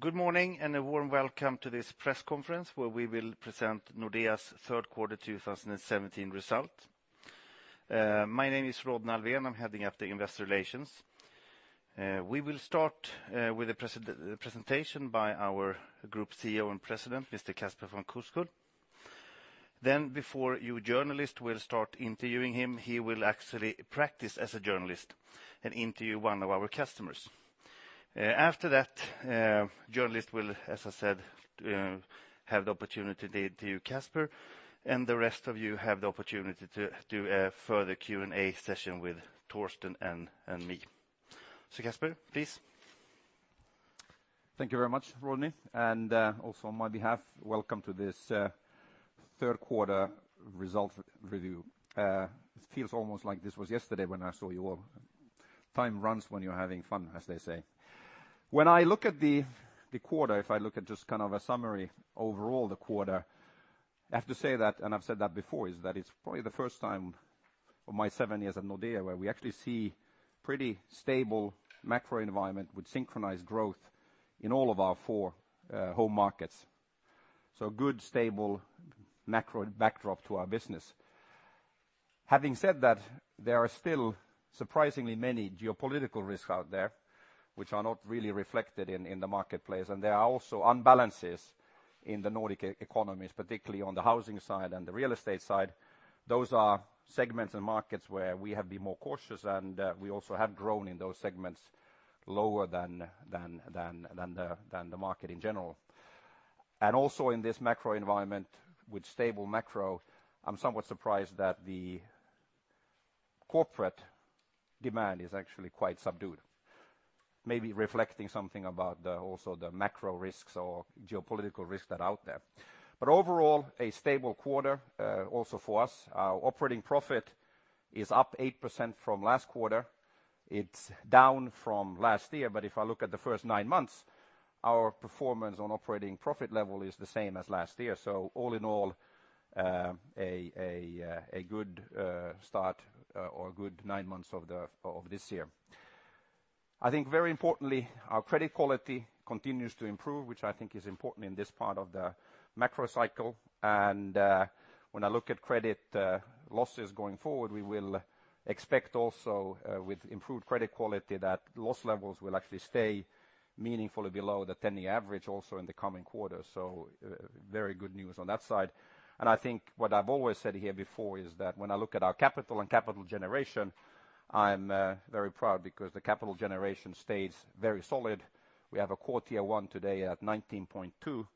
Good morning, a warm welcome to this press conference where we will present Nordea's third quarter 2017 result. My name is Rodney Alfvén. I am heading up the investor relations. We will start with a presentation by our Group CEO and President, Mr. Casper von Koskull. Before you journalists will start interviewing him, he will actually practice as a journalist and interview one of our customers. After that, journalists will, as I said, have the opportunity to interview Casper, and the rest of you have the opportunity to do a further Q&A session with Torsten and me. Casper, please. Thank you very much, Rodney, also on my behalf, welcome to this third quarter result review. It feels almost like this was yesterday when I saw you all. Time runs when you are having fun, as they say. When I look at the quarter, if I look at just a summary overall the quarter, I have to say that, I have said that before, is that it is probably the first time of my seven years at Nordea where we actually see pretty stable macro environment with synchronized growth in all of our four home markets. Good, stable macro backdrop to our business. Having said that, there are still surprisingly many geopolitical risks out there which are not really reflected in the marketplace, there are also unbalances in the Nordic economies, particularly on the housing side and the real estate side. Those are segments and markets where we have been more cautious, we also have grown in those segments lower than the market in general. Also in this macro environment with stable macro, I am somewhat surprised that the corporate demand is actually quite subdued, maybe reflecting something about also the macro risks or geopolitical risks that are out there. Overall, a stable quarter, also for us. Our operating profit is up 8% from last quarter. It is down from last year, but if I look at the first nine months, our performance on operating profit level is the same as last year. All in all, a good start or a good nine months of this year. I think very importantly, our credit quality continues to improve, which I think is important in this part of the macro cycle. When I look at credit losses going forward, we will expect also with improved credit quality that loss levels will actually stay meaningfully below the 10-year average also in the coming quarter. Very good news on that side, I think what I have always said here before is that when I look at our capital and capital generation, I am very proud because the capital generation stays very solid. We have a core Tier 1 today at 19.2,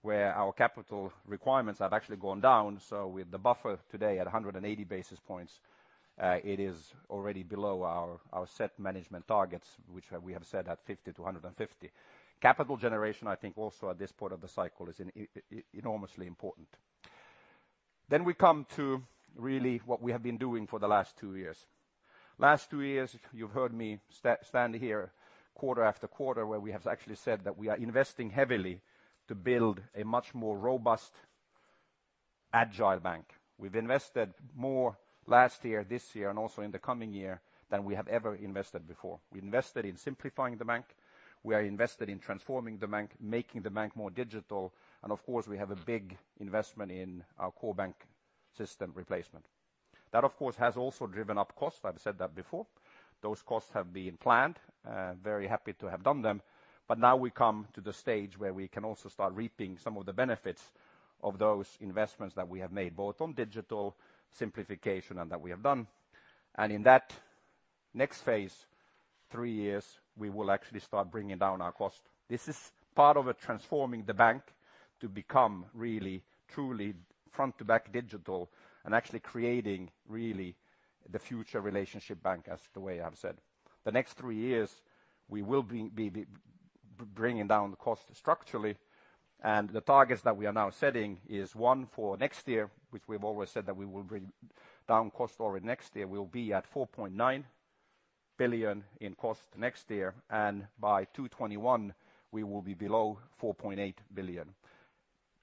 where our capital requirements have actually gone down. With the buffer today at 180 basis points, it is already below our set management targets, which we have set at 50 to 150. Capital generation, I think also at this point of the cycle, is enormously important. We come to really what we have been doing for the last two years. Last two years, you've heard me stand here quarter after quarter, where we have actually said that we are investing heavily to build a much more robust, agile bank. We've invested more last year, this year, and also in the coming year than we have ever invested before. We invested in simplifying the bank. We are invested in transforming the bank, making the bank more digital, and of course, we have a big investment in our core bank system replacement. That, of course, has also driven up costs. I've said that before. Those costs have been planned, very happy to have done them. Now we come to the stage where we can also start reaping some of the benefits of those investments that we have made, both on digital simplification and that we have done. In that next phase, three years, we will actually start bringing down our cost. This is part of transforming the bank to become really, truly front-to-back digital and actually creating really the future relationship bank as the way I've said. The next three years, we will be bringing down the cost structurally, and the targets that we are now setting is one for next year, which we've always said that we will bring down cost already next year, will be at 4.9 billion in cost next year, and by 2021, we will be below 4.8 billion.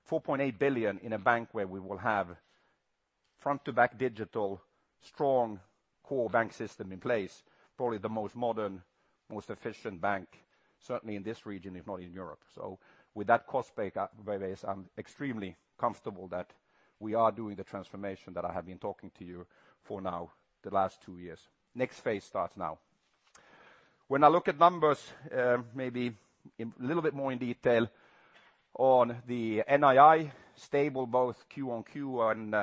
4.8 billion in a bank where we will have front-to-back digital, strong core bank system in place, probably the most modern, most efficient bank, certainly in this region, if not in Europe. With that cost base, I'm extremely comfortable that we are doing the transformation that I have been talking to you for now the last two years. Next phase starts now. When I look at numbers, maybe a little bit more in detail on the NII, stable both Q on Q and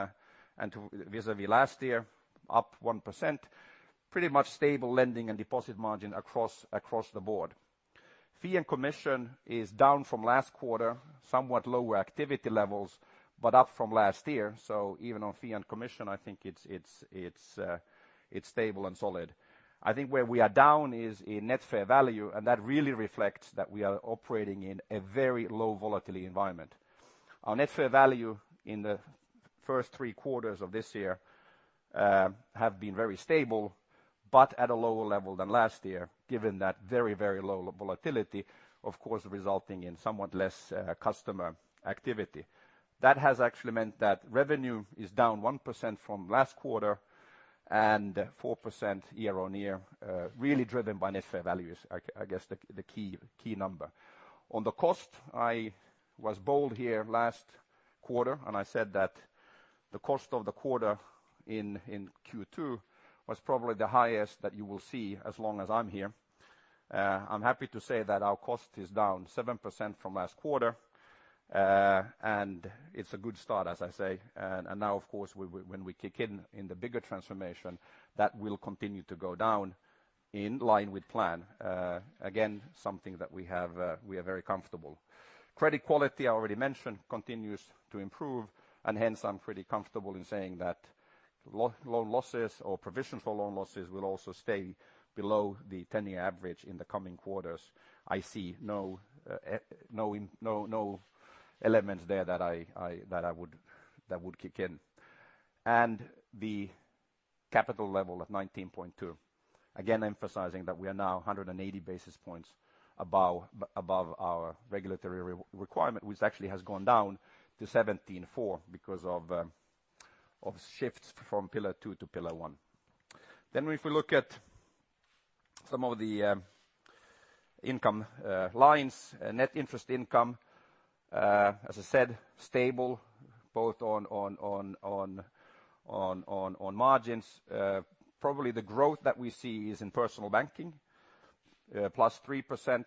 vis-à-vis last year, up 1%. Pretty much stable lending and deposit margin across the board. Fee and commission is down from last quarter, somewhat lower activity levels, but up from last year. Even on fee and commission, I think it's stable and solid. I think where we are down is in net fair value, and that really reflects that we are operating in a very low volatility environment. Our net fair value in the first three quarters of this year have been very stable, but at a lower level than last year, given that very, very low volatility, of course, resulting in somewhat less customer activity. That has actually meant that revenue is down 1% from last quarter. 4% year-on-year really driven by net fair value is, I guess the key number. On the cost, I was bold here last quarter, and I said that the cost of the quarter in Q2 was probably the highest that you will see as long as I'm here. I'm happy to say that our cost is down 7% from last quarter. It's a good start, as I say. Now, of course, when we kick in in the bigger transformation, that will continue to go down in line with plan. Again, something that we are very comfortable. Credit quality, I already mentioned, continues to improve. Hence, I'm pretty comfortable in saying that loan losses or provision for loan losses will also stay below the 10-year average in the coming quarters. I see no elements there that would kick in. The capital level of 19.2%. Again, emphasizing that we are now 180 basis points above our regulatory requirement, which actually has gone down to 17.4% because of shifts from Pillar 2 to Pillar 1. If we look at some of the income lines. Net interest income, as I said, stable both on margins. Probably the growth that we see is in personal banking, +3%,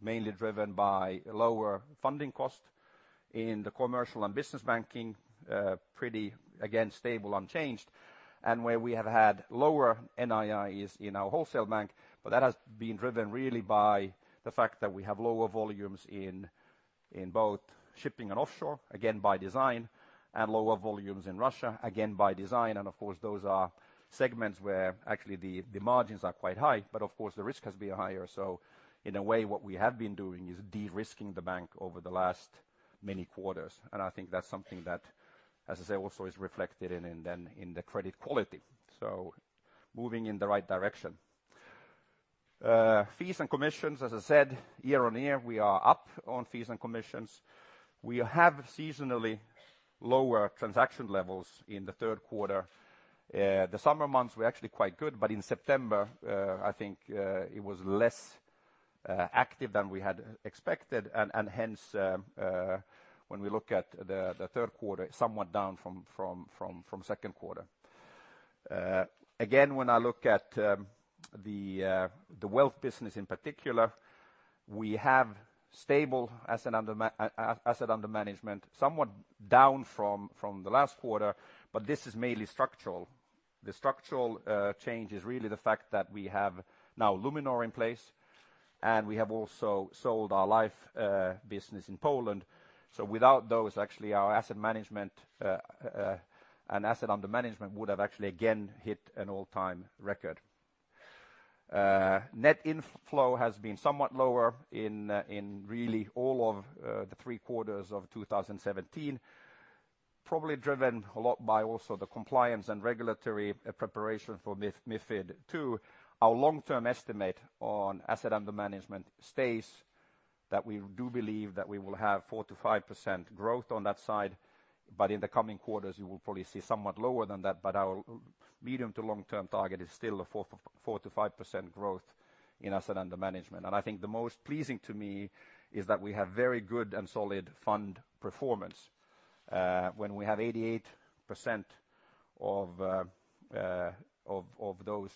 mainly driven by lower funding cost. In the Commercial & Business Banking, pretty, again, stable, unchanged. Where we have had lower NIIs in our wholesale bank, that has been driven really by the fact that we have lower volumes in both shipping and offshore, again, by design, and lower volumes in Russia, again, by design. Of course, those are segments where actually the margins are quite high. Of course, the risk has been higher. In a way, what we have been doing is de-risking the bank over the last many quarters. I think that's something that, as I say, also is reflected in the credit quality. Moving in the right direction. Fees and commissions, as I said, year-over-year, we are up on fees and commissions. We have seasonally lower transaction levels in the third quarter. The summer months were actually quite good, but in September, I think, it was less active than we had expected. Hence, when we look at the third quarter, somewhat down from second quarter. Again, when I look at the wealth business in particular, we have stable asset under management, somewhat down from the last quarter, but this is mainly structural. The structural change is really the fact that we have now Luminor in place, and we have also sold our life business in Poland. Without those, actually, our asset management and asset under management would have actually again hit an all-time record. Net inflow has been somewhat lower in really all of the three quarters of 2017. Probably driven a lot by also the compliance and regulatory preparation for MiFID II. Our long-term estimate on asset under management stays that we do believe that we will have 4%-5% growth on that side. In the coming quarters, you will probably see somewhat lower than that, but our medium to long-term target is still a 4%-5% growth in asset under management. I think the most pleasing to me is that we have very good and solid fund performance. When we have 88% of those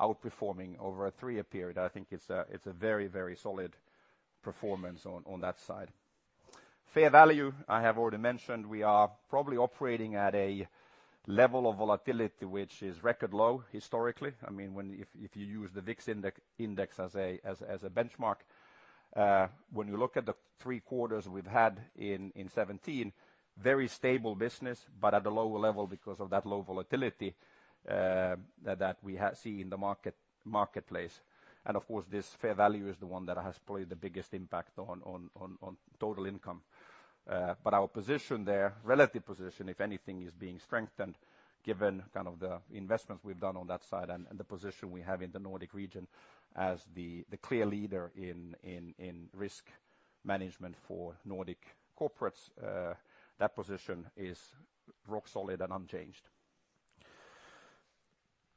outperforming over a three-year period, I think it's a very solid performance on that side. Fair value, I have already mentioned, we are probably operating at a level of volatility which is record low historically. If you use the VIX index as a benchmark. When you look at the three quarters we've had in 2017, very stable business, but at a lower level because of that low volatility that we see in the marketplace. Of course, this fair value is the one that has probably the biggest impact on total income. Our position there, relative position, if anything, is being strengthened given the investments we've done on that side and the position we have in the Nordic region as the clear leader in risk management for Nordic corporates. That position is rock solid and unchanged.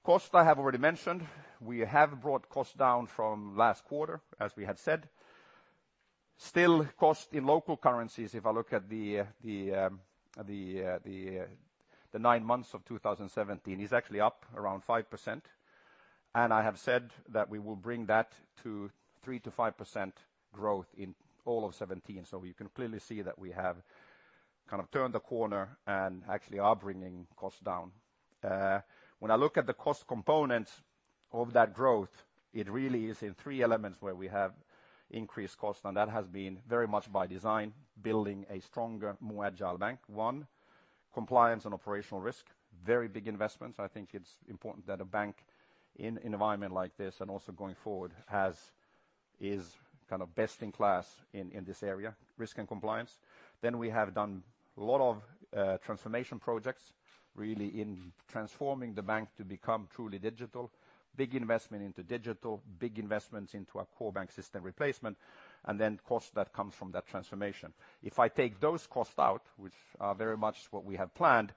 Cost, I have already mentioned. We have brought cost down from last quarter, as we had said. Still, cost in local currencies, if I look at the nine months of 2017, is actually up around 5%. I have said that we will bring that to 3%-5% growth in all of 2017. You can clearly see that we have turned the corner and actually are bringing costs down. When I look at the cost components of that growth, it really is in three elements where we have increased cost, and that has been very much by design, building a stronger, more agile bank. One, compliance and operational risk, very big investments. I think it's important that a bank in an environment like this and also going forward is best in class in this area, risk and compliance. We have done a lot of transformation projects really in transforming the bank to become truly digital. Big investment into digital. Big investments into our core bank system replacement, and then cost that comes from that transformation. If I take those costs out, which are very much what we have planned,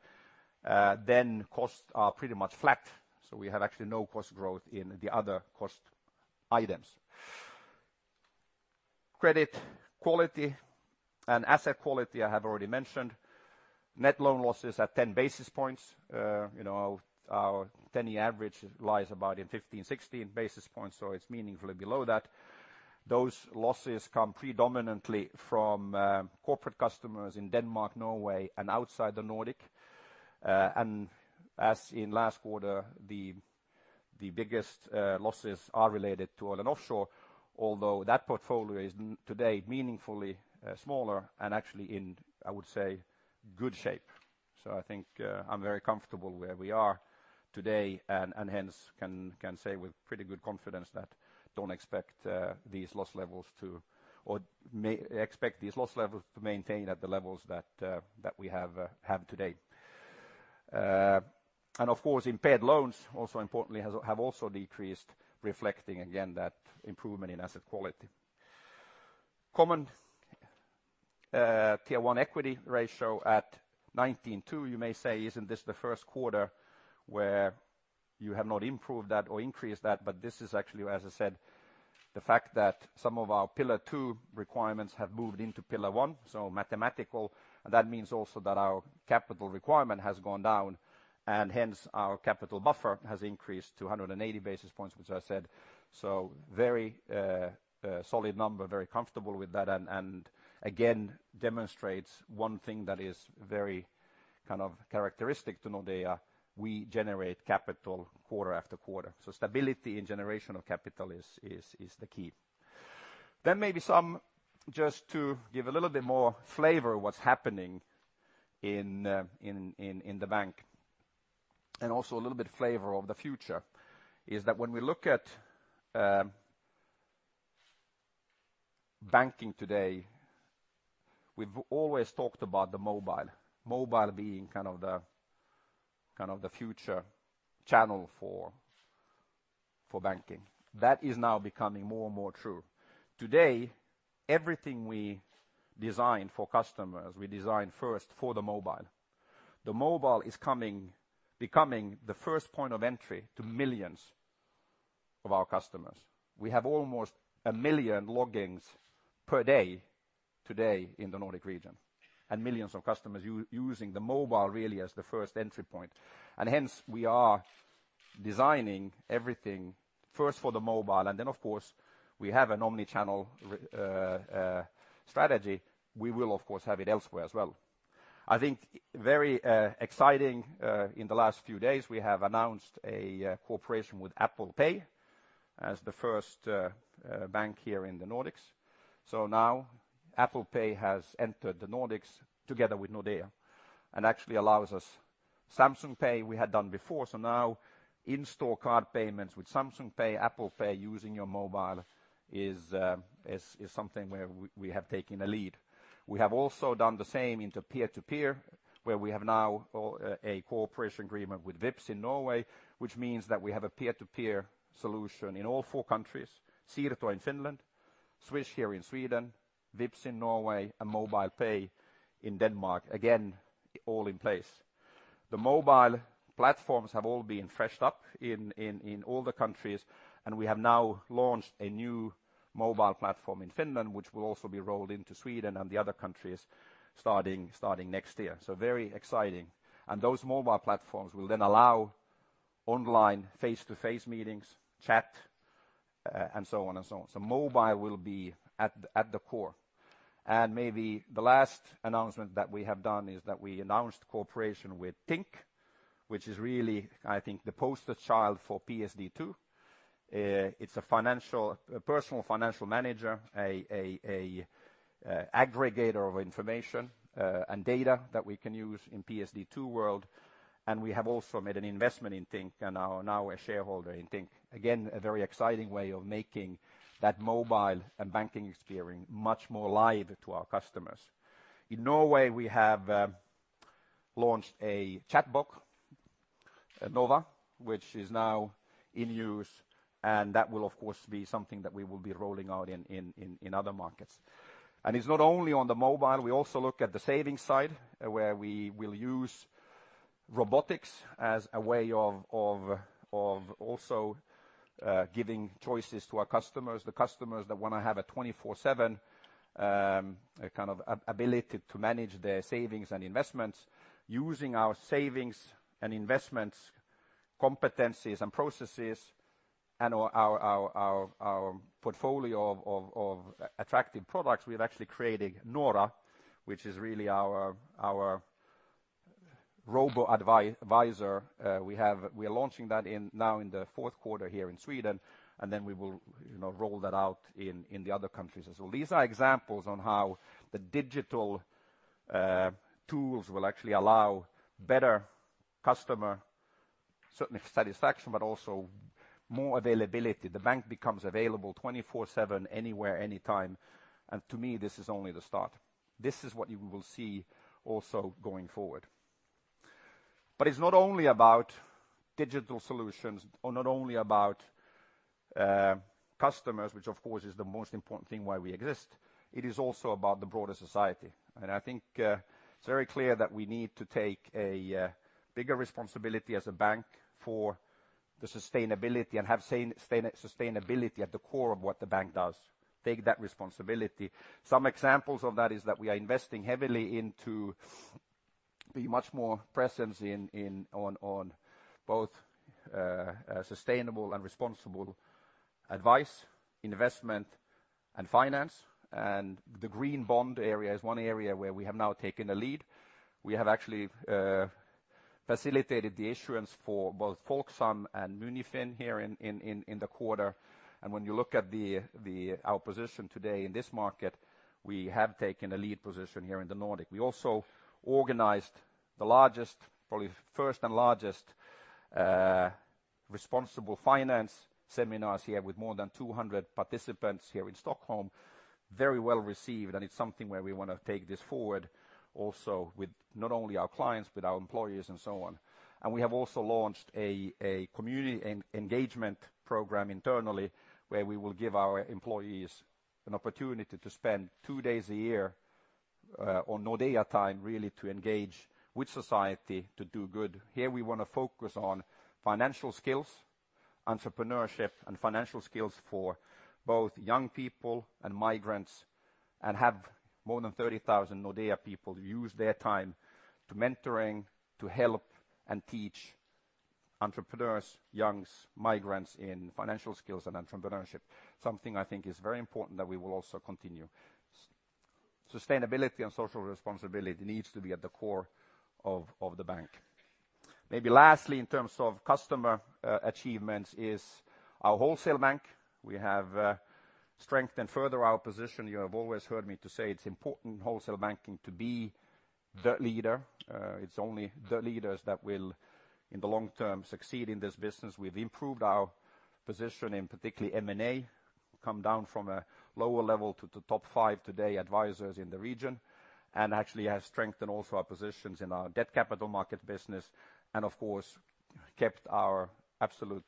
then costs are pretty much flat. We have actually no cost growth in the other cost items. Credit quality and asset quality, I have already mentioned. Net loan losses at 10 basis points. Our 10-year average lies about in 15, 16 basis points, so it's meaningfully below that. Those losses come predominantly from corporate customers in Denmark, Norway, and outside the Nordic. As in last quarter, the biggest losses are related to oil and offshore, although that portfolio is today meaningfully smaller and actually in, I would say, good shape. I think I'm very comfortable where we are today and hence can say with pretty good confidence that may expect these loss levels to maintain at the levels that we have today. Of course, impaired loans, also importantly, have also decreased, reflecting again that improvement in asset quality. Common Tier 1 equity ratio at 19.2%. You may say, isn't this the first quarter where you have not improved that or increased that? This is actually, as I said, the fact that some of our Pillar 2 requirements have moved into Pillar 1, so mathematical. That means also that our capital requirement has gone down, and hence our capital buffer has increased to 180 basis points, which I said. Very solid number, very comfortable with that, and again, demonstrates one thing that is very characteristic to Nordea. We generate capital quarter after quarter. Stability in generation of capital is the key. Maybe some, just to give a little bit more flavor of what's happening in the bank, and also a little bit flavor of the future, is that when we look at banking today, we've always talked about the mobile. mobile being the future channel for banking. That is now becoming more and more true. Today, everything we design for customers, we design first for the mobile. The mobile is becoming the first point of entry to millions of our customers. We have almost 1 million logins per day today in the Nordic region, and millions of customers using the mobile really as the first entry point. Hence, we are designing everything first for the mobile, and then, of course, we have an omni-channel strategy. We will, of course, have it elsewhere as well. I think very exciting, in the last few days, we have announced a cooperation with Apple Pay as the first bank here in the Nordics. Now Apple Pay has entered the Nordics together with Nordea and actually allows us Samsung Pay, we had done before. Now in-store card payments with Samsung Pay, Apple Pay using your mobile is something where we have taken a lead. We have also done the same into peer-to-peer, where we have now a cooperation agreement with Vipps in Norway, which means that we have a peer-to-peer solution in all four countries. Siirto in Finland, Swish here in Sweden, Vipps in Norway, and MobilePay in Denmark. Again, all in place. The mobile platforms have all been freshened up in all the countries, and we have now launched a new mobile platform in Finland, which will also be rolled into Sweden and the other countries starting next year. Very exciting. Those mobile platforms will then allow online face-to-face meetings, chat, and so on and so on. Mobile will be at the core. Maybe the last announcement that we have done is that we announced cooperation with Tink, which is really, I think, the poster child for PSD2. It's a personal financial manager, an aggregator of information and data that we can use in PSD2 world. We have also made an investment in Tink and are now a shareholder in Tink. Again, a very exciting way of making that mobile and banking experience much more live to our customers. In Norway, we have launched a chatbot, Nova, which is now in use, and that will, of course, be something that we will be rolling out in other markets. It's not only on the mobile; we also look at the savings side, where we will use robotics as a way of also giving choices to our customers. The customers that want to have a 24/7 ability to manage their savings and investments using our savings and investments competencies and processes and our portfolio of attractive products. We've actually created Nora, which is really our robo-advisor. We are launching that now in the fourth quarter here in Sweden, then we will roll that out in the other countries as well. These are examples on how the digital tools will actually allow better customer, certainly satisfaction, but also more availability. The bank becomes available 24/7, anywhere, anytime. To me, this is only the start. This is what you will see also going forward. It's not only about digital solutions or not only about customers, which of course is the most important thing why we exist. It is also about the broader society. I think it's very clear that we need to take a bigger responsibility as a bank for the sustainability and have sustainability at the core of what the bank does, take that responsibility. Some examples of that is that we are investing heavily into be much more presence on both sustainable and responsible advice, investment, and finance. The green bond area is one area where we have now taken a lead. We have actually facilitated the issuance for both Folksam and MuniFin here in the quarter. When you look at our position today in this market, we have taken a lead position here in the Nordic. We also organized the largest, probably first and largest responsible finance seminars here with more than 200 participants here in Stockholm. Very well-received, it's something where we want to take this forward also with not only our clients, but our employees and so on. We have also launched a community engagement program internally where we will give our employees an opportunity to spend two days a year on Nordea time really to engage with society to do good. Here we want to focus on financial skills, entrepreneurship and financial skills for both young people and migrants, have more than 30,000 Nordea people use their time to mentoring, to help and teach entrepreneurs, youngs, migrants in financial skills and entrepreneurship. Something I think is very important that we will also continue. Sustainability and social responsibility needs to be at the core of the bank. Maybe lastly, in terms of customer achievements is our wholesale bank. We have strengthened further our position. You have always heard me to say it's important wholesale banking to be the leader. It's only the leaders that will, in the long term, succeed in this business. We've improved our position in particularly M&A, come down from a lower level to the top five today advisers in the region, actually have strengthened also our positions in our debt capital market business, of course kept our absolute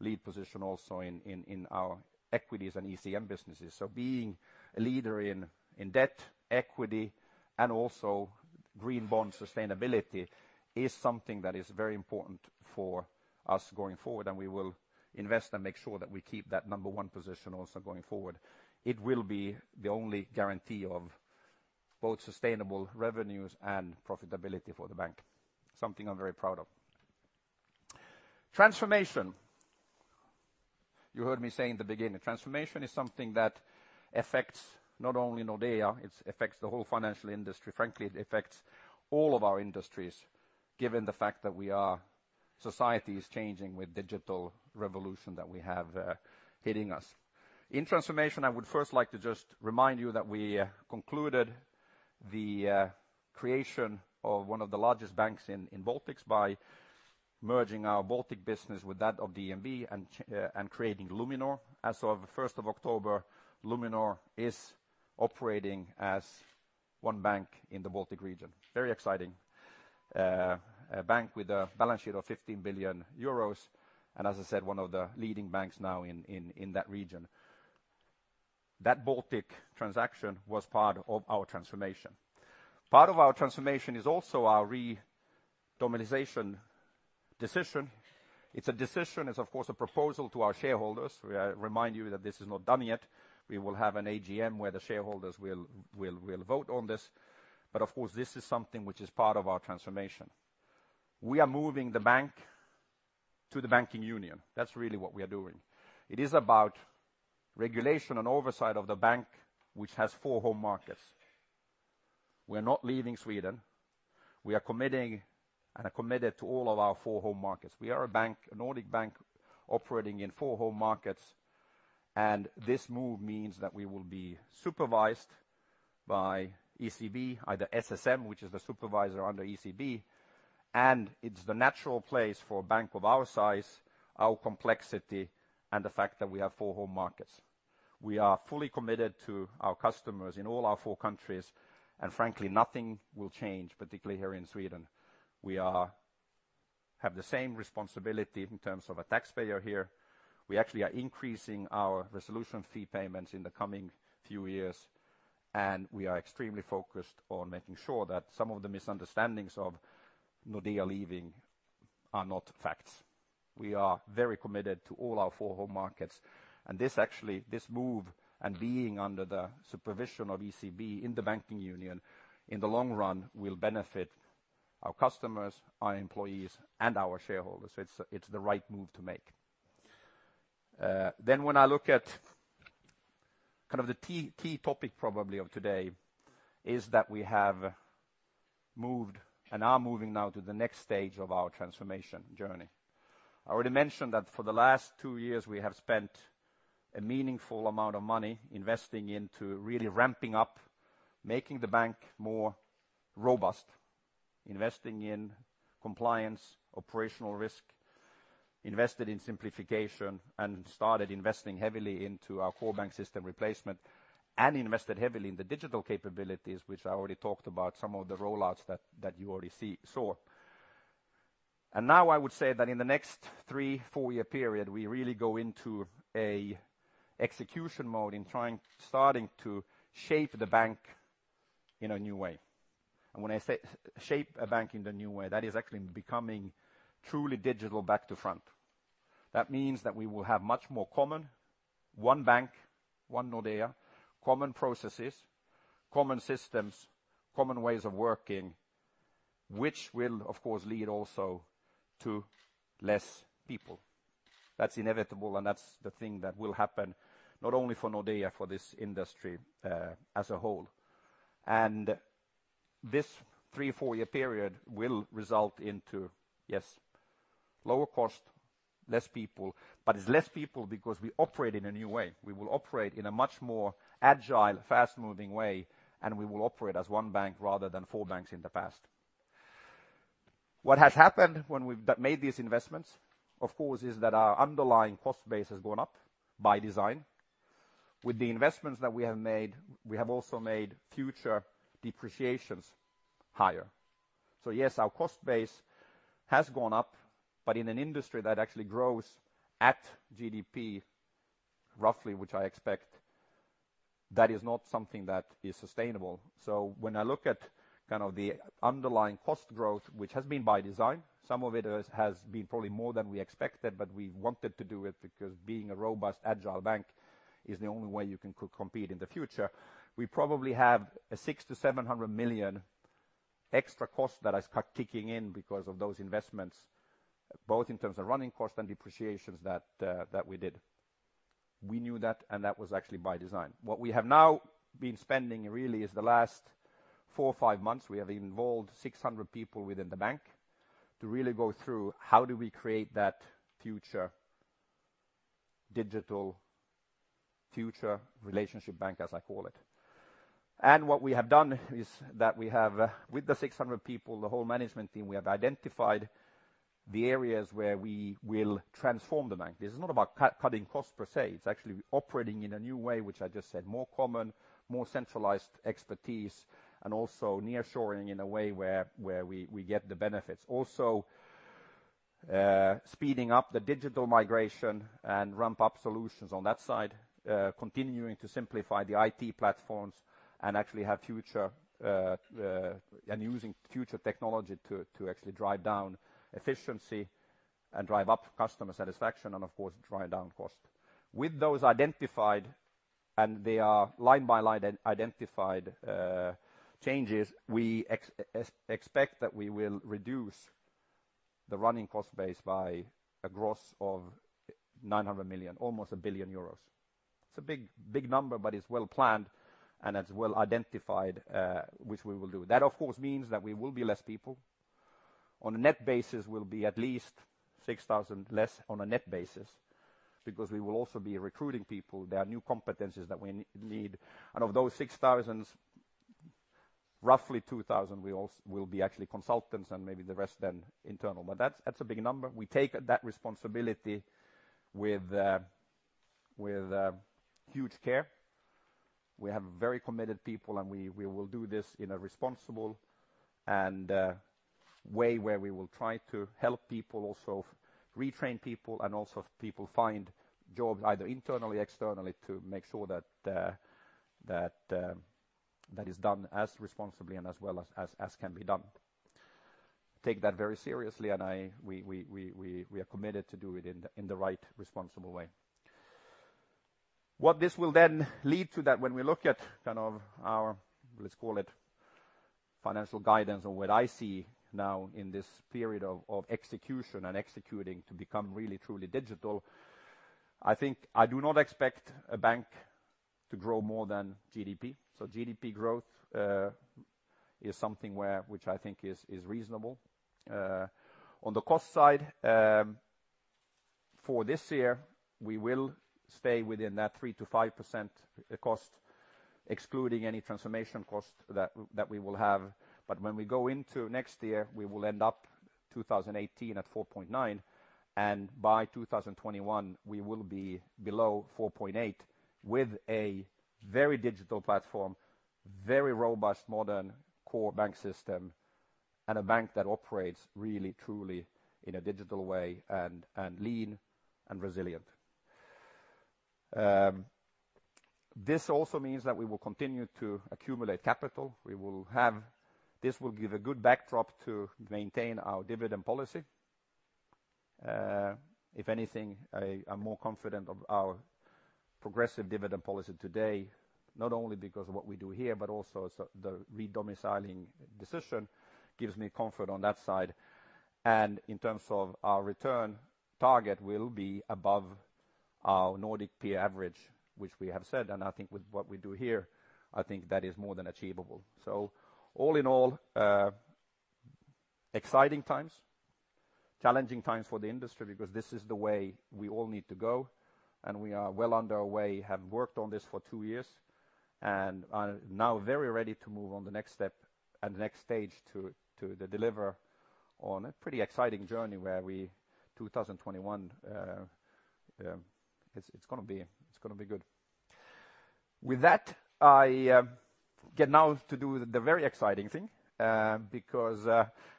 lead position also in our equities and ECM businesses. Being a leader in debt, equity, and also green bond sustainability is something that is very important for us going forward, we will invest and make sure that we keep that number 1 position also going forward. It will be the only guarantee of both sustainable revenues and profitability for the bank. Something I'm very proud of. Transformation. You heard me say in the beginning, transformation is something that affects not only Nordea, it affects the whole financial industry. Frankly, it affects all of our industries, given the fact that society is changing with digital revolution that we have hitting us. In transformation, I would first like to just remind you that we concluded the creation of one of the largest banks in Baltics by merging our Baltic business with that of DNB and creating Luminor. As of the 1st of October, Luminor is operating as one bank in the Baltic region. Very exciting. A bank with a balance sheet of 15 billion euros, as I said, one of the leading banks now in that region. That Baltic transaction was part of our transformation. Part of our transformation is also our redomiciliation decision. It's a decision, it's of course a proposal to our shareholders. May I remind you that this is not done yet. We will have an AGM where the shareholders will vote on this. Of course, this is something which is part of our transformation. We are moving the bank to the banking union. That's really what we are doing. It is about regulation and oversight of the bank, which has four home markets. We're not leaving Sweden. We are committing and are committed to all of our four home markets. We are a bank, a Nordic bank, operating in four home markets, and this move means that we will be supervised by ECB, the SSM, which is the supervisor under ECB, and it's the natural place for a bank of our size, our complexity, and the fact that we have four home markets. We are fully committed to our customers in all our four countries, and frankly, nothing will change, particularly here in Sweden. We have the same responsibility in terms of a taxpayer here. We actually are increasing our resolution fee payments in the coming few years. We are extremely focused on making sure that some of the misunderstandings of Nordea leaving are not facts. We are very committed to all our four home markets. This actually, this move and being under the supervision of ECB in the banking union, in the long run, will benefit our customers, our employees, and our shareholders. It's the right move to make. When I look at kind of the key topic probably of today is that we have moved and are moving now to the next stage of our transformation journey. I already mentioned that for the last two years, we have spent a meaningful amount of money investing into really ramping up, making the bank more robust, investing in compliance, operational risk, invested in simplification, and started investing heavily into our core bank system replacement, and invested heavily in the digital capabilities, which I already talked about some of the rollouts that you already saw. Now I would say that in the next three, four-year period, we really go into a execution mode in starting to shape the bank in a new way. When I say shape a bank in the new way, that is actually becoming truly digital back to front. That means that we will have much more common, one bank, One Nordea, common processes, common systems, common ways of working, which will, of course, lead also to less people. That's inevitable. That's the thing that will happen not only for Nordea, for this industry as a whole. This three, four-year period will result into, yes, lower cost, less people, but it's less people because we operate in a new way. We will operate in a much more agile, fast-moving way, and we will operate as one bank rather than four banks in the past. What has happened when we've made these investments, of course, is that our underlying cost base has gone up by design. With the investments that we have made, we have also made future depreciations higher. Yes, our cost base has gone up, but in an industry that actually grows at GDP, roughly, which I expect, that is not something that is sustainable. When I look at the underlying cost growth, which has been by design, some of it has been probably more than we expected, but we wanted to do it because being a robust, agile bank is the only way you can compete in the future. We probably have a 600 million-700 million extra cost that has got kicking in because of those investments, both in terms of running costs and depreciations that we did. We knew that, and that was actually by design. What we have now been spending really is the last four or five months, we have involved 600 people within the bank to really go through how do we create that future digital, future relationship bank, as I call it. What we have done is that we have with the 600 people, the whole management team, we have identified the areas where we will transform the bank. This is not about cutting costs per se, it is actually operating in a new way, which I just said, more common, more centralized expertise, and also nearshoring in a way where we get the benefits. Also, speeding up the digital migration and ramp up solutions on that side, continuing to simplify the IT platforms and actually have future, and using future technology to actually drive down efficiency and drive up customer satisfaction and of course, drive down cost. With those identified, and they are line-by-line identified changes, we expect that we will reduce the running cost base by a gross of 900 million, almost 1 billion euros. It is a big number, but it is well planned and it is well identified, which we will do. That, of course, means that we will be less people. On a net basis, we will be at least 6,000 less on a net basis because we will also be recruiting people. There are new competencies that we need. Of those 6,000, roughly 2,000 will be actually consultants and maybe the rest then internal. That is a big number. We take that responsibility with huge care. We have very committed people, and we will do this in a responsible way where we will try to help people also retrain people and also people find jobs either internally, externally to make sure that is done as responsibly and as well as can be done. We take that very seriously, and we are committed to do it in the right, responsible way. What this will then lead to that when we look at our, let's call it, financial guidance or what I see now in this period of execution and executing to become really truly digital, I do not expect a bank to grow more than GDP. GDP growth is something which I think is reasonable. On the cost side, for this year, we will stay within that 3%-5% cost, excluding any transformation cost that we will have. When we go into next year, we will end up 2018 at 4.9, and by 2021, we will be below 4.8 with a very digital platform, very robust, modern core bank system, and a bank that operates really truly in a digital way and lean and resilient. This also means that we will continue to accumulate capital. This will give a good backdrop to maintain our dividend policy. If anything, I'm more confident of our progressive dividend policy today, not only because of what we do here, but also the re-domiciling decision gives me comfort on that side. In terms of our return target will be above our Nordic peer average, which we have said, and I think with what we do here, I think that is more than achievable. All in all, exciting times. Challenging times for the industry because this is the way we all need to go, and we are well underway, have worked on this for 2 years, and are now very ready to move on the next step and the next stage to deliver on a pretty exciting journey where we, 2021, it's going to be good. With that, I get now to do the very exciting thing, because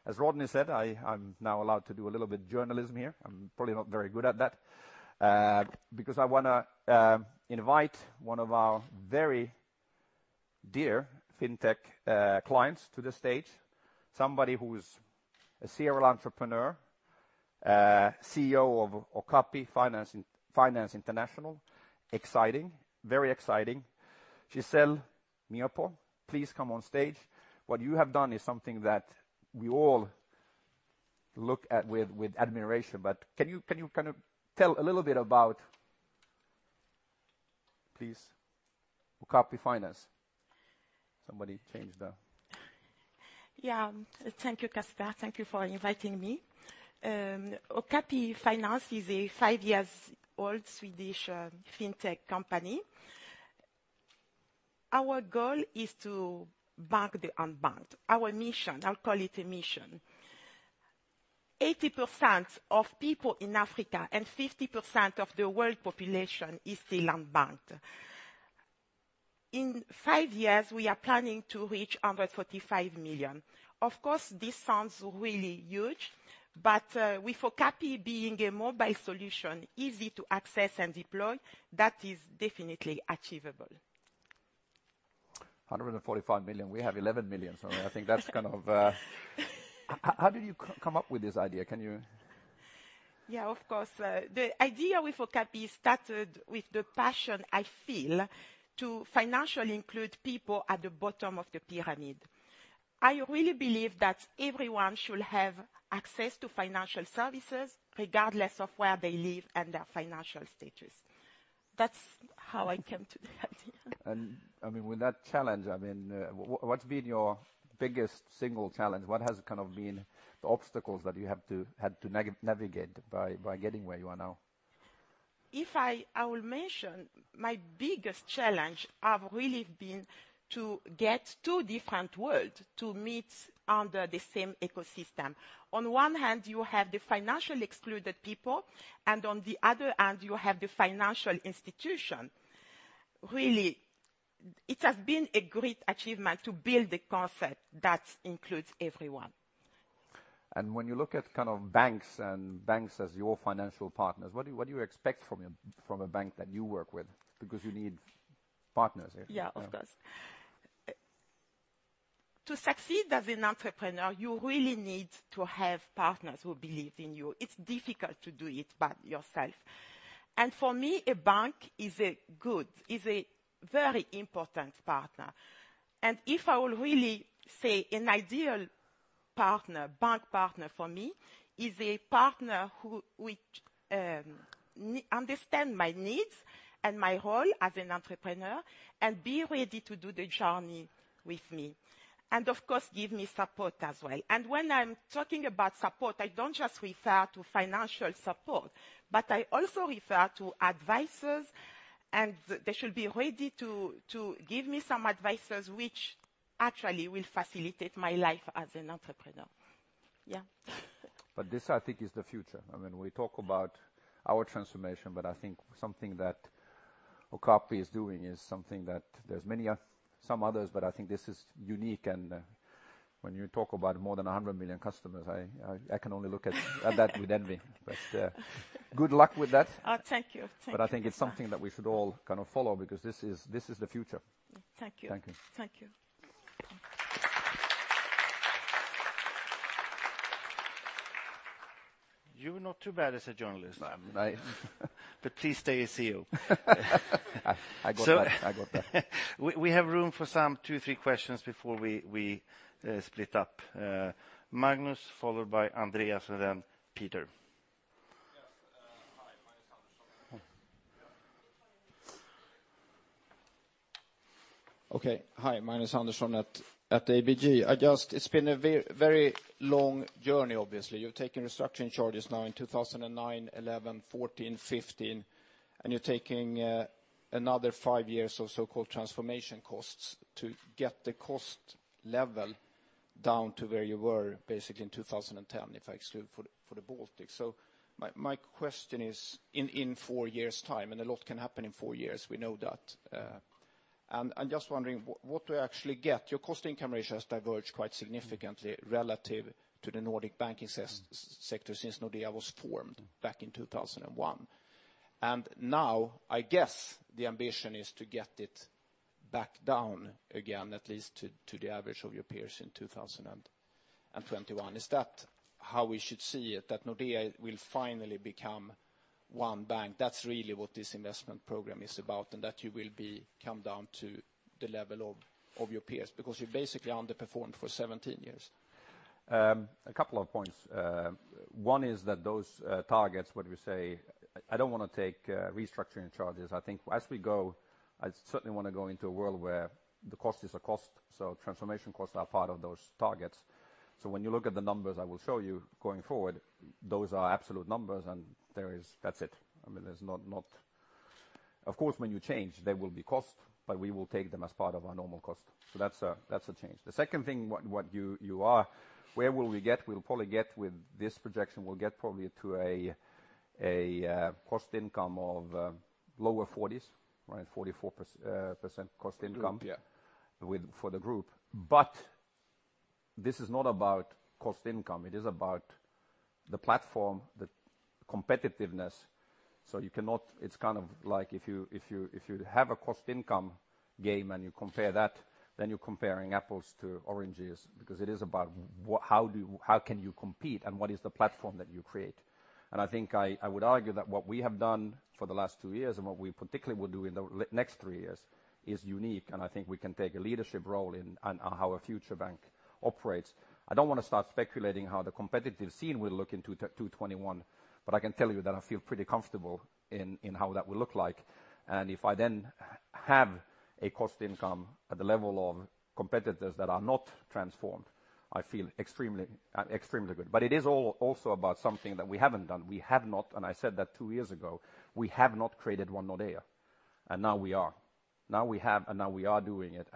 as Rodney said, I'm now allowed to do a little bit journalism here. I'm probably not very good at that. I want to invite one of our very dear fintech clients to the stage, somebody who's a serial entrepreneur, CEO of Okapi Finance International. Exciting, very exciting. Gisèle Miopo, please come on stage. What you have done is something that we all look at with admiration. Can you tell a little bit about, please, Okapi Finance? Somebody change the Thank you, Casper. Thank you for inviting me. Okapi Finance is a five-year-old Swedish fintech company. Our goal is to bank the unbanked. Our mission, I'll call it a mission. 80% of people in Africa and 50% of the world population is still unbanked. In 5 years, we are planning to reach 145 million. Of course, this sounds really huge, but with Okapi being a mobile solution, easy to access and deploy, that is definitely achievable. 145 million. We have 11 million, I think that's kind of How did you come up with this idea? Can you Yeah, of course. The idea with Okapi started with the passion I feel to financial include people at the bottom of the pyramid. I really believe that everyone should have access to financial services regardless of where they live and their financial status. That's how I came to the idea. With that challenge, what's been your biggest single challenge? What has been the obstacles that you had to navigate by getting where you are now? If I will mention my biggest challenge have really been to get two different world to meet under the same ecosystem. On one hand, you have the financial excluded people, and on the other hand, you have the financial institution. Really, it has been a great achievement to build a concept that includes everyone. When you look at banks and banks as your financial partners, what do you expect from a bank that you work with? You need partners. Of course. To succeed as an entrepreneur, you really need to have partners who believe in you. It's difficult to do it by yourself. For me, a bank is a very important partner. If I will really say an ideal bank partner for me is a partner which understand my needs and my role as an entrepreneur and be ready to do the journey with me, and of course, give me support as well. When I'm talking about support, I don't just refer to financial support, but I also refer to advices, and they should be ready to give me some advices which actually will facilitate my life as an entrepreneur. Yeah. This, I think, is the future. We talk about our transformation, but I think something that Okapi is doing is something that there's some others, but I think this is unique and when you talk about more than 100 million customers, I can only look at that with envy. Good luck with that. Thank you. Thank you. I think it's something that we should all follow because this is the future. Thank you. Thank you. Thank you. You're not too bad as a journalist. No. Please stay a CEO. I got that. We have room for some two, three questions before we split up. Magnus, followed by Andreas, and then Peter. Yes. Hi, Magnus Andersson. Yeah. Okay. Hi, Magnus Andersson at ABG. It's been a very long journey, obviously. You've taken restructuring charges now in 2009, 2011, 2014, 2015, and you're taking another five years of so-called transformation costs to get the cost level down to where you were basically in 2010, if I exclude for the Baltics. My question is, in four years' time, and a lot can happen in four years, we know that. I'm just wondering, what do I actually get? Your cost income ratio has diverged quite significantly relative to the Nordic banking sector since Nordea was formed back in 2001. Now I guess the ambition is to get it back down again, at least to the average of your peers in 2021. Is that how we should see it? That Nordea will finally become one bank. That's really what this investment program is about, that you will come down to the level of your peers because you basically underperformed for 17 years. A couple of points. One is that those targets, what we say, I don't want to take restructuring charges. I think as we go, I certainly want to go into a world where the cost is a cost, transformation costs are part of those targets. When you look at the numbers I will show you going forward, those are absolute numbers, and that's it. Of course, when you change, there will be cost, we will take them as part of our normal cost. That's a change. The second thing, where will we get? With this projection, we'll get probably to a cost income of lower 40s, right? 44% cost income. Group, yeah for the group. This is not about cost income, it is about the platform, the competitiveness. It's like if you have a cost income game and you compare that, then you're comparing apples to oranges, because it is about how can you compete and what is the platform that you create. I think I would argue that what we have done for the last two years and what we particularly will do in the next three years is unique. I think we can take a leadership role in on how a future bank operates. I don't want to start speculating how the competitive scene will look in 2021. I can tell you that I feel pretty comfortable in how that will look like. If I then have a cost income at the level of competitors that are not transformed, I feel extremely good. It is also about something that we haven't done. We have not, and I said that two years ago, we have not created One Nordea, and now we are. Now we have, and now we are doing it.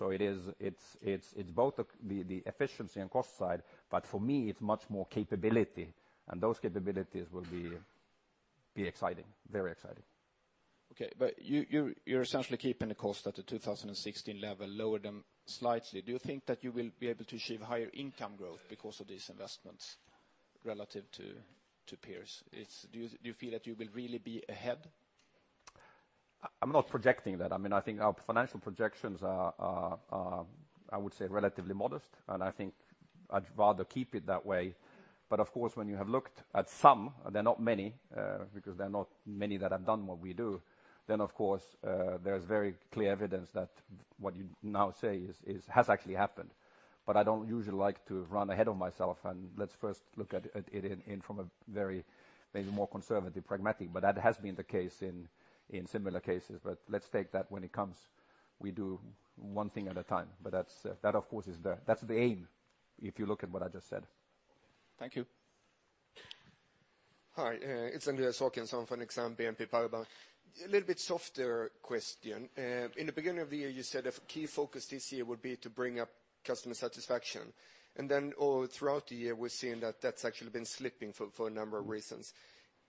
It's both the efficiency and cost side. For me it's much more capability. Those capabilities will be very exciting. Okay. You're essentially keeping the cost at the 2016 level, lower them slightly. Do you think that you will be able to achieve higher income growth because of these investments relative to peers? Do you feel that you will really be ahead? I'm not projecting that. I think our financial projections are, I would say, relatively modest, and I think I'd rather keep it that way. Of course, when you have looked at some, they're not many, because they're not many that have done what we do, then of course, there's very clear evidence that what you now say has actually happened. I don't usually like to run ahead of myself, and let's first look at it in from a very maybe more conservative, pragmatic, but that has been the case in similar cases. Let's take that when it comes. We do one thing at a time. That of course is the aim, if you look at what I just said. Thank you. Hi, it's Andreas Håkansson from Exane BNP Paribas. A little bit softer question. In the beginning of the year, you said a key focus this year would be to bring up customer satisfaction, and then all throughout the year, we're seeing that that's actually been slipping for a number of reasons.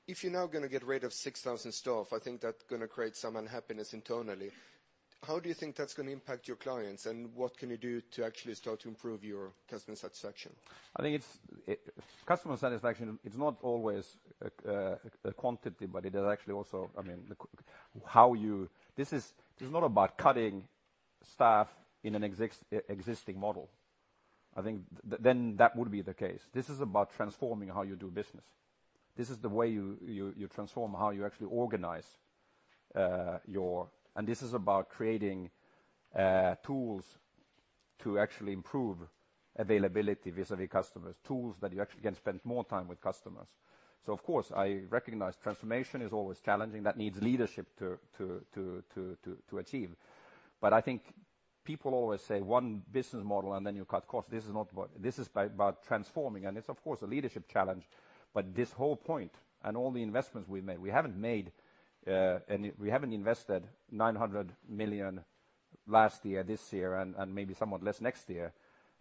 If you're now going to get rid of 6,000 staff, I think that's going to create some unhappiness internally. How do you think that's going to impact your clients, and what can you do to actually start to improve your customer satisfaction? I think customer satisfaction, it's not always a quantity, but it is actually also. This is not about cutting staff in an existing model. I think then that would be the case. This is about transforming how you do business. This is the way you transform how you actually organize. This is about creating tools to actually improve availability vis-à-vis customers, tools that you actually can spend more time with customers. Of course, I recognize transformation is always challenging. That needs leadership to achieve. I think people always say one business model and then you cut costs. This is about transforming, and it's of course a leadership challenge. This whole point and all the investments we've made, we haven't invested 900 million last year, this year and maybe somewhat less next year,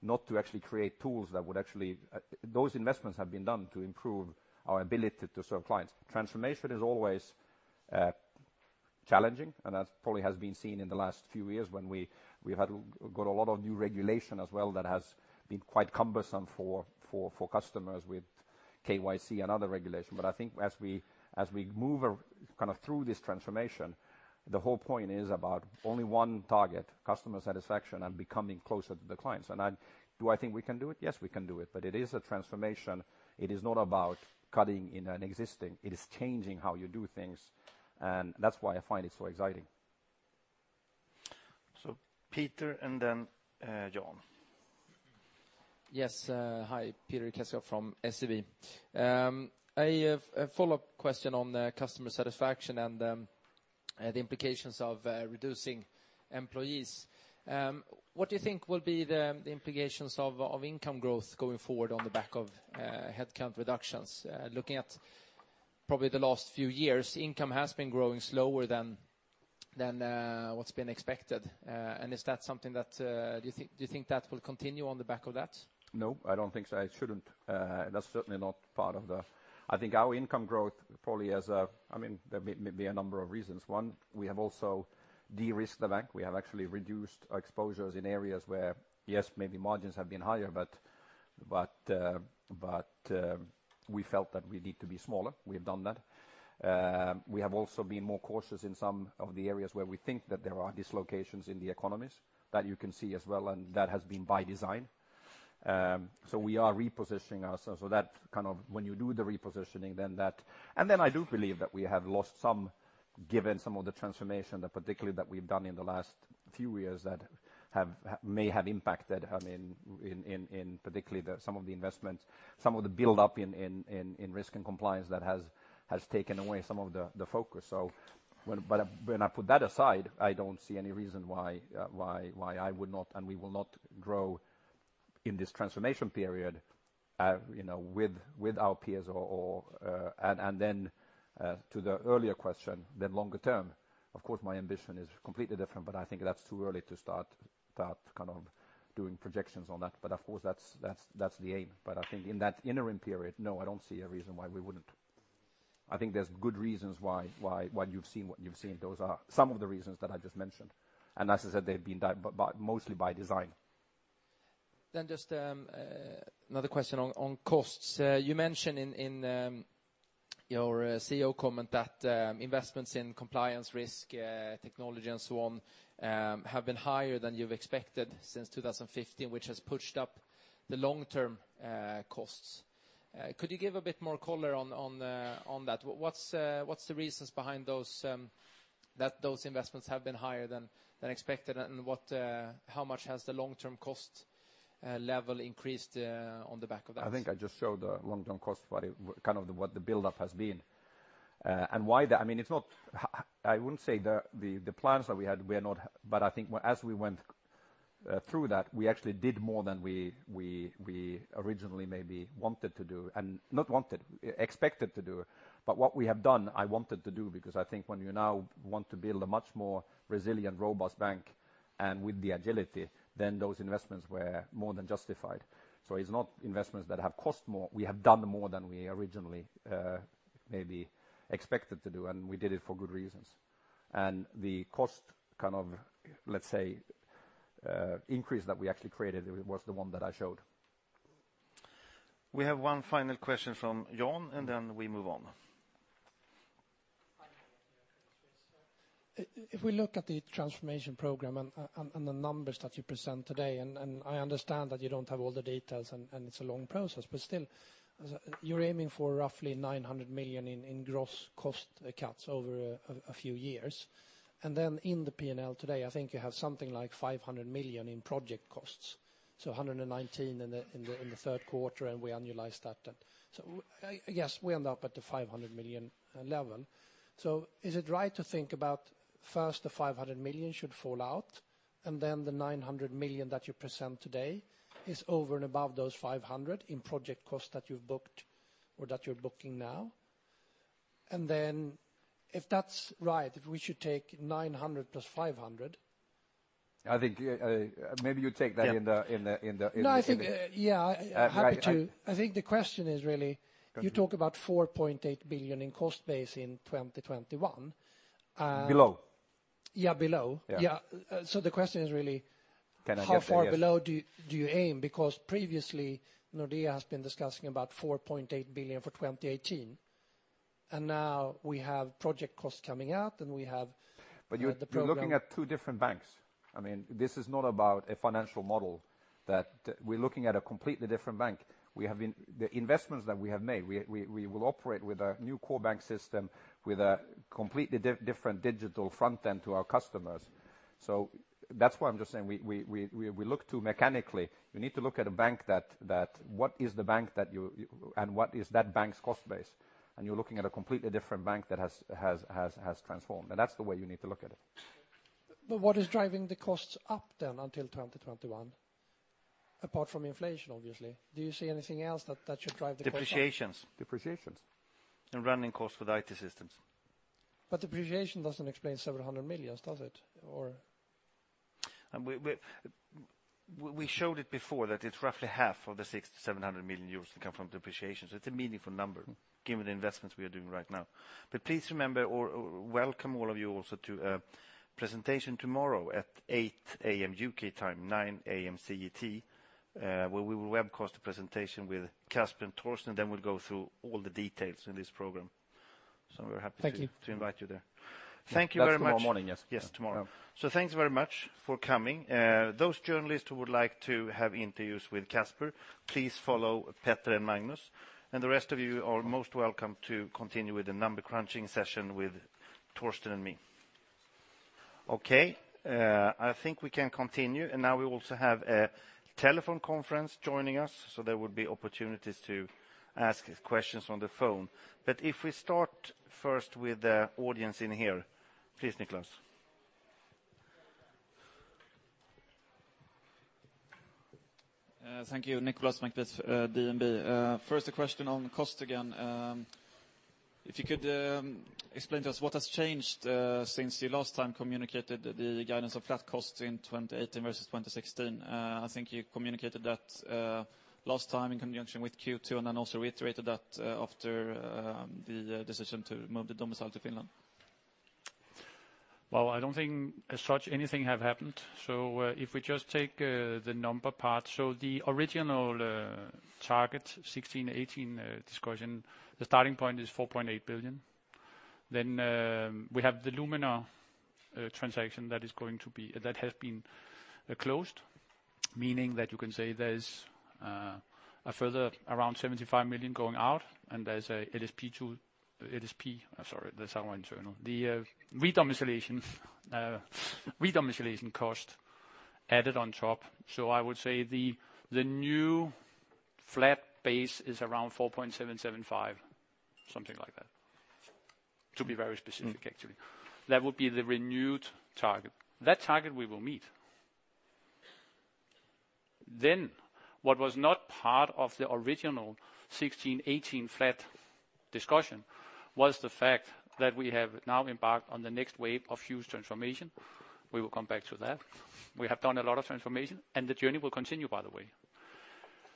not to actually create tools that would actually, those investments have been done to improve our ability to serve clients. Transformation is always challenging, and that probably has been seen in the last few years when we've got a lot of new regulation as well that has been quite cumbersome for customers with KYC and other regulation. I think as we move through this transformation, the whole point is about only one target, customer satisfaction and becoming closer to the clients. Do I think we can do it? Yes, we can do it, but it is a transformation. It is not about cutting in an existing, it is changing how you do things, and that's why I find it so exciting. Peter, and then Jan. Yes. Hi, Peter Kessiakoff from SEB. A follow-up question on the customer satisfaction and the implications of reducing employees. What do you think will be the implications of income growth going forward on the back of headcount reductions? Looking at probably the last few years, income has been growing slower than what's been expected. Is that something that you think that will continue on the back of that? No, I don't think so. It shouldn't. There may be a number of reasons. One, we have also de-risked the bank. We have actually reduced exposures in areas where, yes, maybe margins have been higher, but we felt that we need to be smaller. We have done that. We have also been more cautious in some of the areas where we think that there are dislocations in the economies that you can see as well, and that has been by design. We are repositioning ourselves. When you do the repositioning, then that. I do believe that we have lost some, given some of the transformation that particularly we've done in the last few years that may have impacted in particularly some of the investments, some of the buildup in risk and compliance that has taken away some of the focus. When I put that aside, I don't see any reason why I would not and we will not grow in this transformation period with our peers or, to the earlier question, the longer term, of course my ambition is completely different, but I think that's too early to start doing projections on that. Of course, that's the aim. I think in that interim period, no, I don't see a reason why we wouldn't. I think there's good reasons why you've seen what you've seen. Those are some of the reasons that I just mentioned. As I said, they've been mostly by design. Just another question on costs. You mentioned in your CEO comment that investments in compliance risk, technology, and so on have been higher than you've expected since 2015, which has pushed up the long-term costs. Could you give a bit more color on that? What's the reasons behind that those investments have been higher than expected, and how much has the long-term cost level increased on the back of that? I think I just showed the long-term cost, what the buildup has been. I wouldn't say the plans that we had were not, I think as we went through that, we actually did more than we originally maybe wanted to do and, not wanted, expected to do. What we have done, I wanted to do, because I think when you now want to build a much more resilient, robust bank, and with the agility, those investments were more than justified. It's not investments that have cost more. We have done more than we originally maybe expected to do, and we did it for good reasons. The cost, let's say, increase that we actually created was the one that I showed. We have one final question from Jan. We move on. If we look at the transformation program and the numbers that you present today, and I understand that you don't have all the details, and it's a long process, but still, you're aiming for roughly 900 million in gross cost cuts over a few years. In the P&L today, I think you have something like 500 million in project costs, so 119 in the third quarter. We annualize that. I guess we end up at the 500 million level. Is it right to think about first the 500 million should fall out, then the 900 million that you present today is over and above those 500 in project costs that you've booked or that you're booking now? If that's right, we should take 900 plus 500. I think maybe you take that in the- No, I think, yeah, happy to. I think the question is really, you talk about 4.8 billion in cost base in 2021. Below. Yeah, below. Yeah. Yeah. The question is really. Yes. How far below do you aim? Previously, Nordea has been discussing about 4.8 billion for 2018, and now we have project costs coming out, and we have the program. You're looking at two different banks. This is not about a financial model, that we're looking at a completely different bank. The investments that we have made, we will operate with a new core bank system with a completely different digital front end to our customers. That's why I'm just saying we look too mechanically. We need to look at a bank that, what is the bank, and what is that bank's cost base? You're looking at a completely different bank that has transformed, and that's the way you need to look at it. What is driving the costs up then until 2021? Apart from inflation, obviously. Do you see anything else that should drive the cost up? Depreciations. Depreciations. Running costs for the IT systems. Depreciation doesn't explain 700 million, does it, or? We showed it before that it's roughly half of the 600-700 million euros that come from depreciation. It's a meaningful number given the investments we are doing right now. Please remember or welcome all of you also to a presentation tomorrow at 8:00 A.M. U.K. time, 9:00 A.M. CET, where we will webcast a presentation with Casper and Torsten, we'll go through all the details in this program. We're happy to. Thank you. We're happy to invite you there. Thank you very much. That's tomorrow morning, yes. Yes, tomorrow. Thanks very much for coming. Those journalists who would like to have interviews with Casper, please follow Peter and Magnus. The rest of you are most welcome to continue with the number crunching session with Torsten and me. I think we can continue. Now we also have a telephone conference joining us, so there will be opportunities to ask questions on the phone. If we start first with the audience in here. Please, Niklas. Thank you. Niklas Malmborg, DNB. First, a question on cost again. If you could explain to us what has changed since you last time communicated the guidance of flat costs in 2018 versus 2016. I think you communicated that last time in conjunction with Q2, then also reiterated that after the decision to move the domicile to Finland. I don't think as such anything has happened. If we just take the number part. The original target 2016-2018 discussion, the starting point is 4.8 billion. We have the Luminor transaction that has been closed, meaning that you can say there's a further around 75 million going out, and there's a LSP, that's our internal, the re-domiciliation cost added on top. I would say the new flat base is around 4.775 billion, something like that, to be very specific, actually. That would be the renewed target. That target we will meet. What was not part of the original 2016-2018 flat discussion was the fact that we have now embarked on the next wave of huge transformation. We will come back to that. We have done a lot of transformation, and the journey will continue, by the way.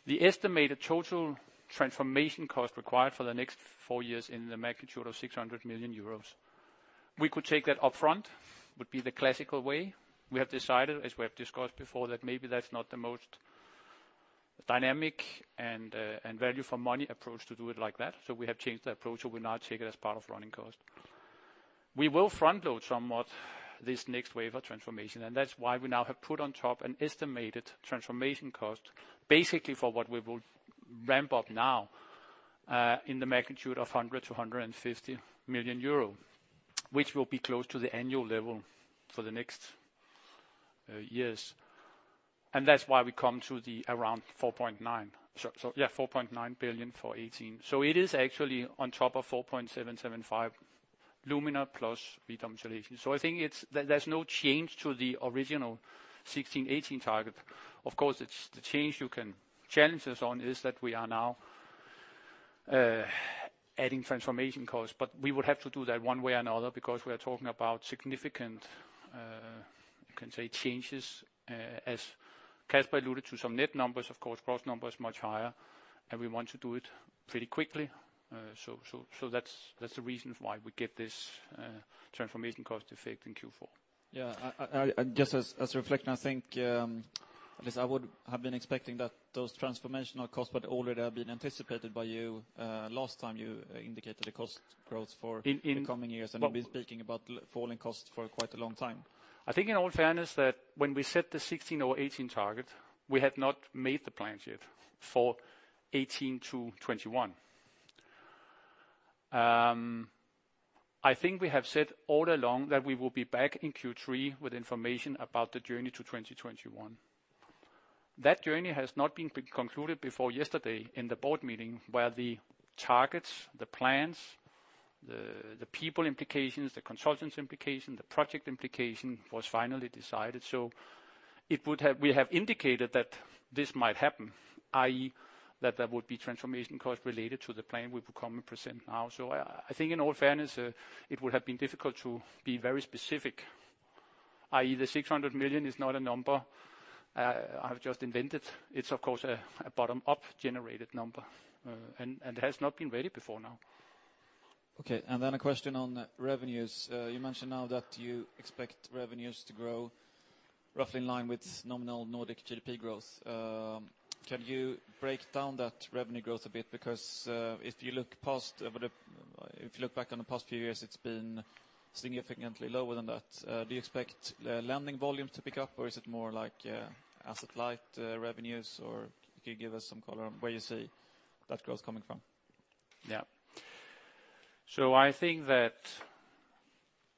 The estimated total transformation cost required for the next four years in the magnitude of 600 million euros. We could take that upfront, would be the classical way. We have decided, as we have discussed before, that maybe that's not the most dynamic and value-for-money approach to do it like that, we have changed the approach, we now take it as part of running cost. We will front-load somewhat this next wave of transformation, that's why we now have put on top an estimated transformation cost, basically for what we will ramp up now, in the magnitude of 100 million euro to 150 million euro, which will be close to the annual level for the next years. That's why we come to the around 4.9 billion for 2018. It is actually on top of 4.775 Luminor plus re-domiciliation. I think there is no change to the original 2016, 2018 target. Of course, the change you can challenge us on is that we are now adding transformation costs. We would have to do that one way or another because we are talking about significant, you can say, changes, as Casper alluded to, some net numbers, of course, gross numbers much higher, and we want to do it pretty quickly. That is the reason why we get this transformation cost effect in Q4. Just as a reflection, I think, at least I would have been expecting that those transformational costs would already have been anticipated by you last time you indicated the cost growth for the coming years. We have been speaking about falling costs for quite a long time. I think in all fairness, that when we set the 2016 or 2018 target, we had not made the plans yet for 2018 to 2021. I think we have said all along that we will be back in Q3 with information about the journey to 2021. That journey has not been concluded before yesterday in the board meeting where the targets, the plans, the people implications, the consultants implication, the project implication was finally decided. We have indicated that this might happen, i.e., that there would be transformation costs related to the plan we will come and present now. I think in all fairness, it would have been difficult to be very specific, i.e., the 600 million is not a number I have just invented. It is of course a bottom-up generated number and has not been ready before now. Then a question on revenues. You mentioned now that you expect revenues to grow roughly in line with nominal Nordic GDP growth. Can you break down that revenue growth a bit? Because if you look back on the past few years, it has been significantly lower than that. Do you expect lending volumes to pick up or is it more asset-light revenues? Or could you give us some color on where you see that growth coming from? I think that,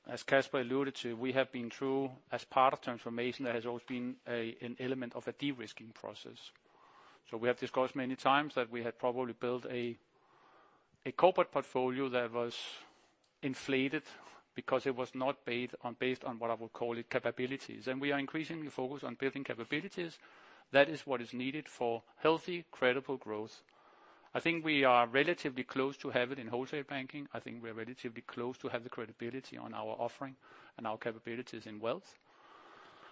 as Casper alluded to, we have been through, as part of transformation, there has always been an element of a de-risking process. We have discussed many times that we had probably built a corporate portfolio that was inflated because it was not based on what I would call it, capabilities. We are increasingly focused on building capabilities. That is what is needed for healthy, credible growth. I think we are relatively close to have it in wholesale banking. I think we are relatively close to have the credibility on our offering and our capabilities in wealth.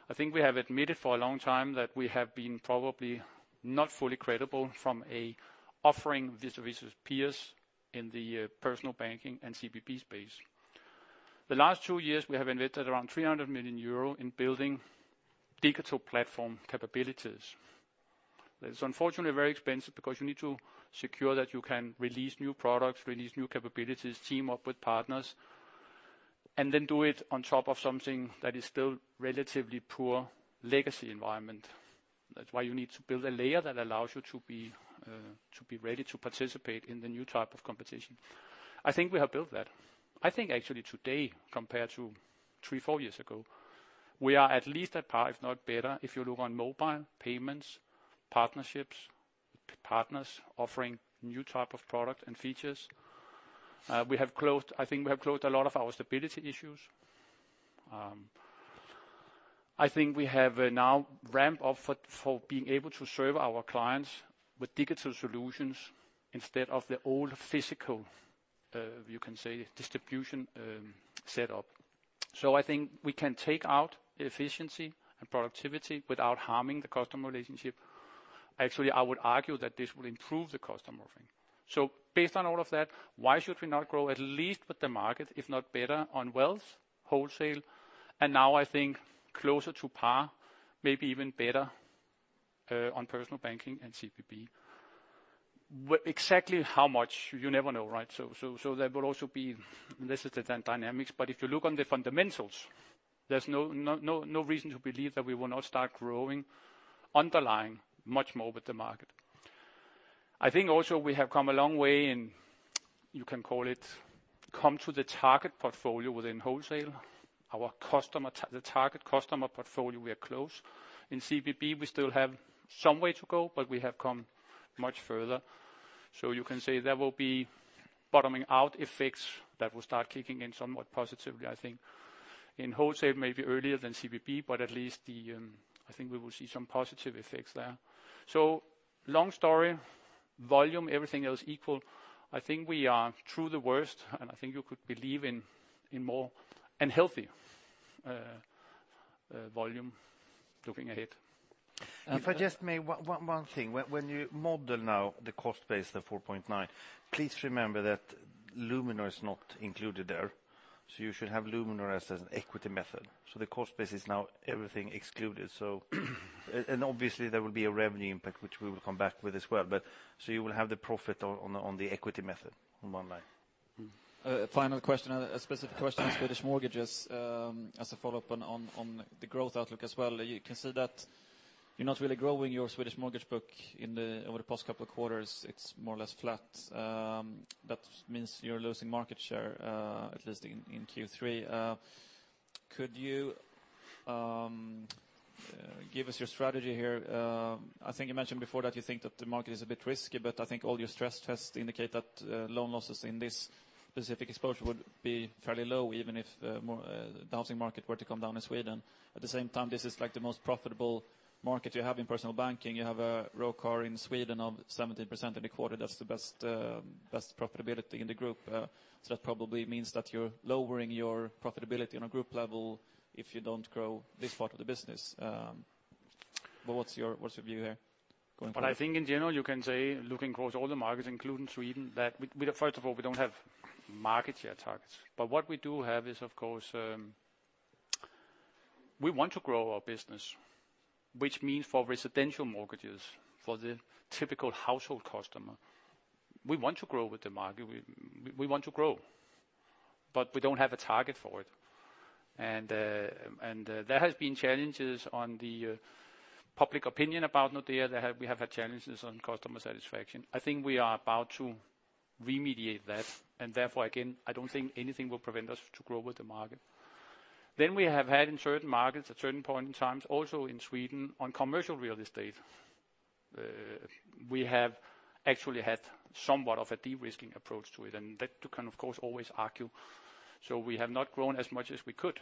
I think we have admitted for a long time that we have been probably not fully credible from a offering vis-à-vis peers in the personal banking and CBB space. The last two years, we have invested around 300 million euro in building digital platform capabilities. That is unfortunately very expensive because you need to secure that you can release new products, release new capabilities, team up with partners, do it on top of something that is still relatively poor legacy environment. That's why you need to build a layer that allows you to be ready to participate in the new type of competition. I think we have built that. I think actually today, compared to three, four years ago, we are at least at par, if not better, if you look on mobile, payments, partnerships, partners offering new type of product and features. I think we have closed a lot of our stability issues. I think we have now ramped up for being able to serve our clients with digital solutions instead of the old physical, you can say, distribution setup. I think we can take out efficiency and productivity without harming the customer relationship. Actually, I would argue that this will improve the customer offering. Based on all of that, why should we not grow at least with the market, if not better on wealth, wholesale, and now I think closer to par, maybe even better on personal banking and CBB. Exactly how much you never know, right? There will also be less of the dynamics. If you look on the fundamentals, there's no reason to believe that we will not start growing underlying much more with the market. I think also we have come a long way in, you can call it, come to the target portfolio within wholesale. The target customer portfolio, we are close. In CBB, we still have some way to go, but we have come much further. You can say there will be bottoming out effects that will start kicking in somewhat positively, I think in wholesale, maybe earlier than CBB, but at least I think we will see some positive effects there. Long story, volume, everything else equal, I think we are through the worst, I think you could believe in more and healthy volume looking ahead. If I just may, one thing. When you model now the cost base, the 4.9, please remember that Luminor is not included there. You should have Luminor as an equity method. The cost base is now everything excluded. Obviously there will be a revenue impact, which we will come back with as well. You will have the profit on the equity method on one line. Final question, a specific question on Swedish mortgages as a follow-up on the growth outlook as well. You can see that you're not really growing your Swedish mortgage book over the past couple of quarters. It's more or less flat. That means you're losing market share, at least in Q3. Could you give us your strategy here? I think you mentioned before that you think that the market is a bit risky, but I think all your stress tests indicate that loan losses in this specific exposure would be fairly low, even if the housing market were to come down in Sweden. At the same time, this is the most profitable market you have in personal banking. You have a ROIC in Sweden of 17% in the quarter. That's the best profitability in the group. That probably means that you're lowering your profitability on a group level if you don't grow this part of the business. What's your view here going forward? I think in general, you can say, looking across all the markets, including Sweden, that first of all, we don't have market share targets. What we do have is, of course, we want to grow our business, which means for residential mortgages, for the typical household customer, we want to grow with the market. We want to grow, but we don't have a target for it. There has been challenges on the public opinion about Nordea. We have had challenges on customer satisfaction. I think we are about to remediate that. Therefore, again, I don't think anything will prevent us to grow with the market. We have had in certain markets at certain point in times, also in Sweden on commercial real estate, we have actually had somewhat of a de-risking approach to it. That you can, of course, always argue. We have not grown as much as we could.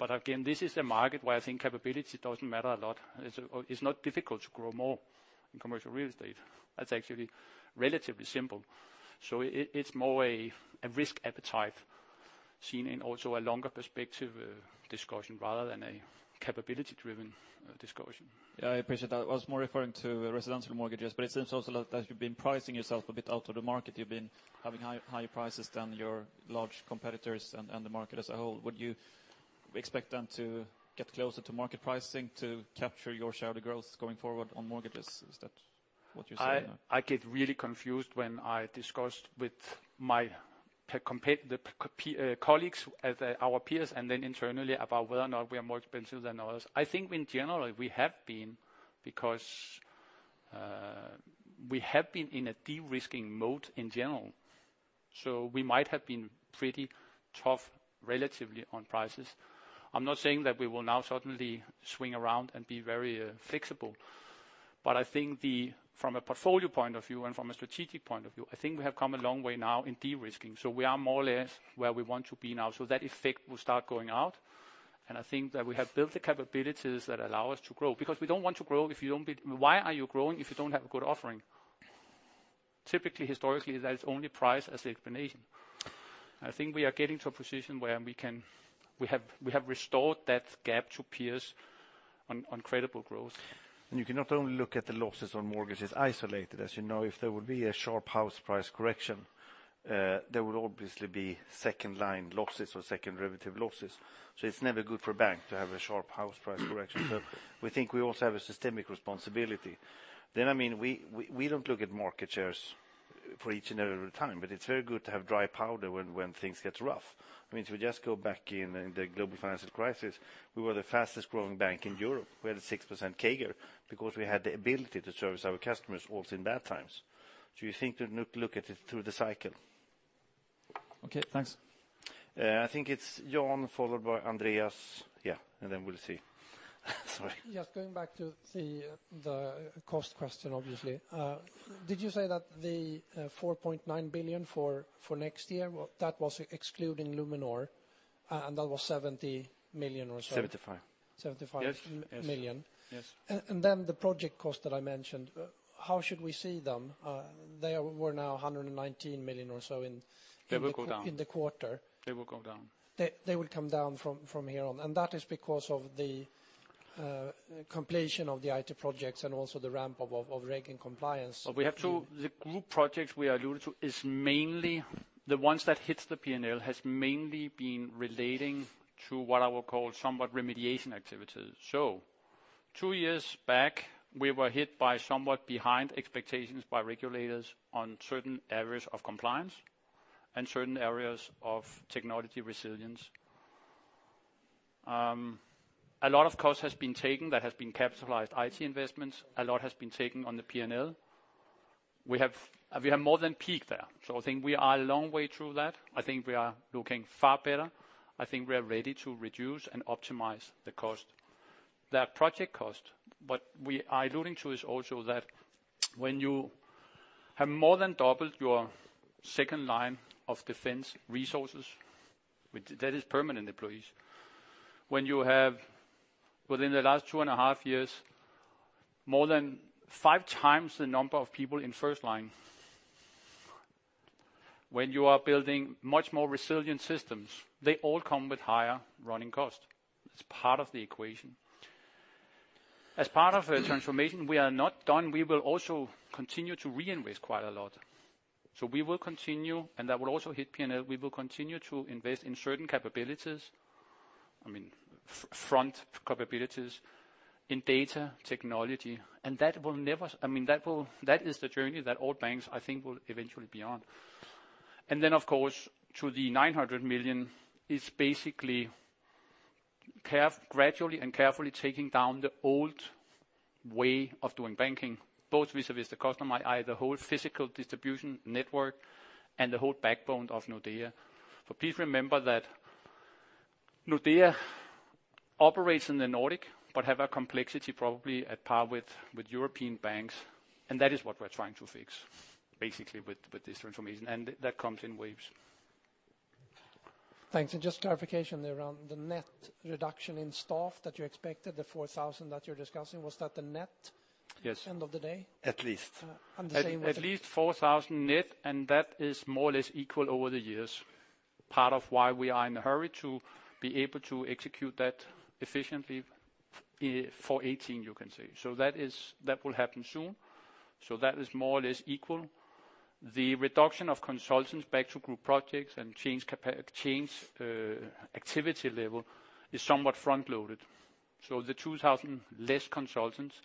Again, this is a market where I think capability doesn't matter a lot. It's not difficult to grow more in commercial real estate. That's actually relatively simple. It's more a risk appetite seen in also a longer perspective discussion rather than a capability driven discussion. Yeah, I appreciate that. I was more referring to residential mortgages, it seems also that you've been pricing yourself a bit out of the market. You've been having higher prices than your large competitors and the market as a whole. Would you expect them to get closer to market pricing to capture your share of the growth going forward on mortgages? Is that what you're saying there? I get really confused when I discuss with my colleagues, our peers, and then internally about whether or not we are more expensive than others. I think in general, we have been, because we have been in a de-risking mode in general. We might have been pretty tough relatively on prices. I'm not saying that we will now suddenly swing around and be very flexible. I think from a portfolio point of view and from a strategic point of view, I think we have come a long way now in de-risking. We are more or less where we want to be now. That effect will start going out, and I think that we have built the capabilities that allow us to grow. Because we don't want to grow if you don't have a good offering? Typically, historically, that is only price as the explanation. I think we are getting to a position where we have restored that gap to peers on credible growth. You can not only look at the losses on mortgages isolated. As you know, if there will be a sharp house price correction, there will obviously be second line losses or second derivative losses. It's never good for a bank to have a sharp house price correction. We think we also have a systemic responsibility. We don't look at market shares for each and every time, but it's very good to have dry powder when things get rough. If we just go back in the global financial crisis, we were the fastest growing bank in Europe. We had a 6% CAGR because we had the ability to service our customers also in bad times. You think to look at it through the cycle. Okay, thanks. I think it's Jan followed by Andreas. Then we'll see. Sorry. Yes. Going back to the cost question, obviously. Did you say that the 4.9 billion for next year, that was excluding Luminor, and that was 70 million or so? 75. 75 million. Yes. The project cost that I mentioned, how should we see them? They were now 119 million. They will come down. In the quarter. They will come down. They will come down from here on, that is because of the completion of the IT projects and also the ramp up of reg and compliance. The group projects we alluded to is mainly the ones that hits the P&L has mainly been relating to what I would call somewhat remediation activities. Two years back, we were hit by somewhat behind expectations by regulators on certain areas of compliance and certain areas of technology resilience. A lot of cost has been taken that has been capitalized IT investments, a lot has been taken on the P&L. We have more than peaked there. I think we are a long way through that. I think we are looking far better. I think we are ready to reduce and optimize the cost. That project cost, what we are alluding to is also that when you have more than doubled your second line of defense resources, that is permanent employees. When you have within the last two and a half years, more than five times the number of people in first line. When you are building much more resilient systems, they all come with higher running cost. It's part of the equation. As part of a transformation, we are not done. We will also continue to reinvest quite a lot. We will continue, that will also hit P&L. We will continue to invest in certain capabilities. front capabilities in data technology. That is the journey that all banks, I think, will eventually be on. Of course, to the 900 million is basically gradually and carefully taking down the old way of doing banking, both vis-à-vis the customer, either whole physical distribution network and the whole backbone of Nordea. Please remember that Nordea operates in the Nordic, but have a complexity probably at par with European banks, and that is what we're trying to fix, basically, with this transformation, and that comes in waves. Thanks. Just clarification there around the net reduction in staff that you expected, the 4,000 that you're discussing. Was that the net- Yes end of the day? At least. The same with- At least 4,000 net, that is more or less equal over the years. Part of why we are in a hurry to be able to execute that efficiently for 2018, you can say. That will happen soon. That is more or less equal. The reduction of consultants back to group projects and change activity level is somewhat front-loaded. The 2,000 less consultants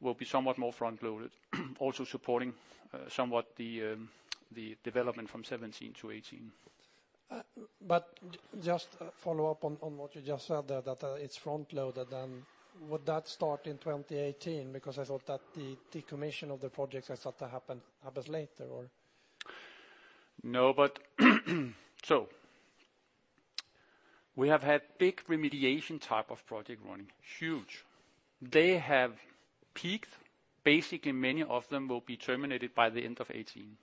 will be somewhat more front-loaded, also supporting somewhat the development from 2017 to 2018. Just a follow-up on what you just said there, that it's front-loaded. Would that start in 2018? Because I thought that the decommission of the projects, I thought that happened a bit later or No, we have had big remediation type of project running. Huge. They have peaked. Basically, many of them will be terminated by the end of 2018.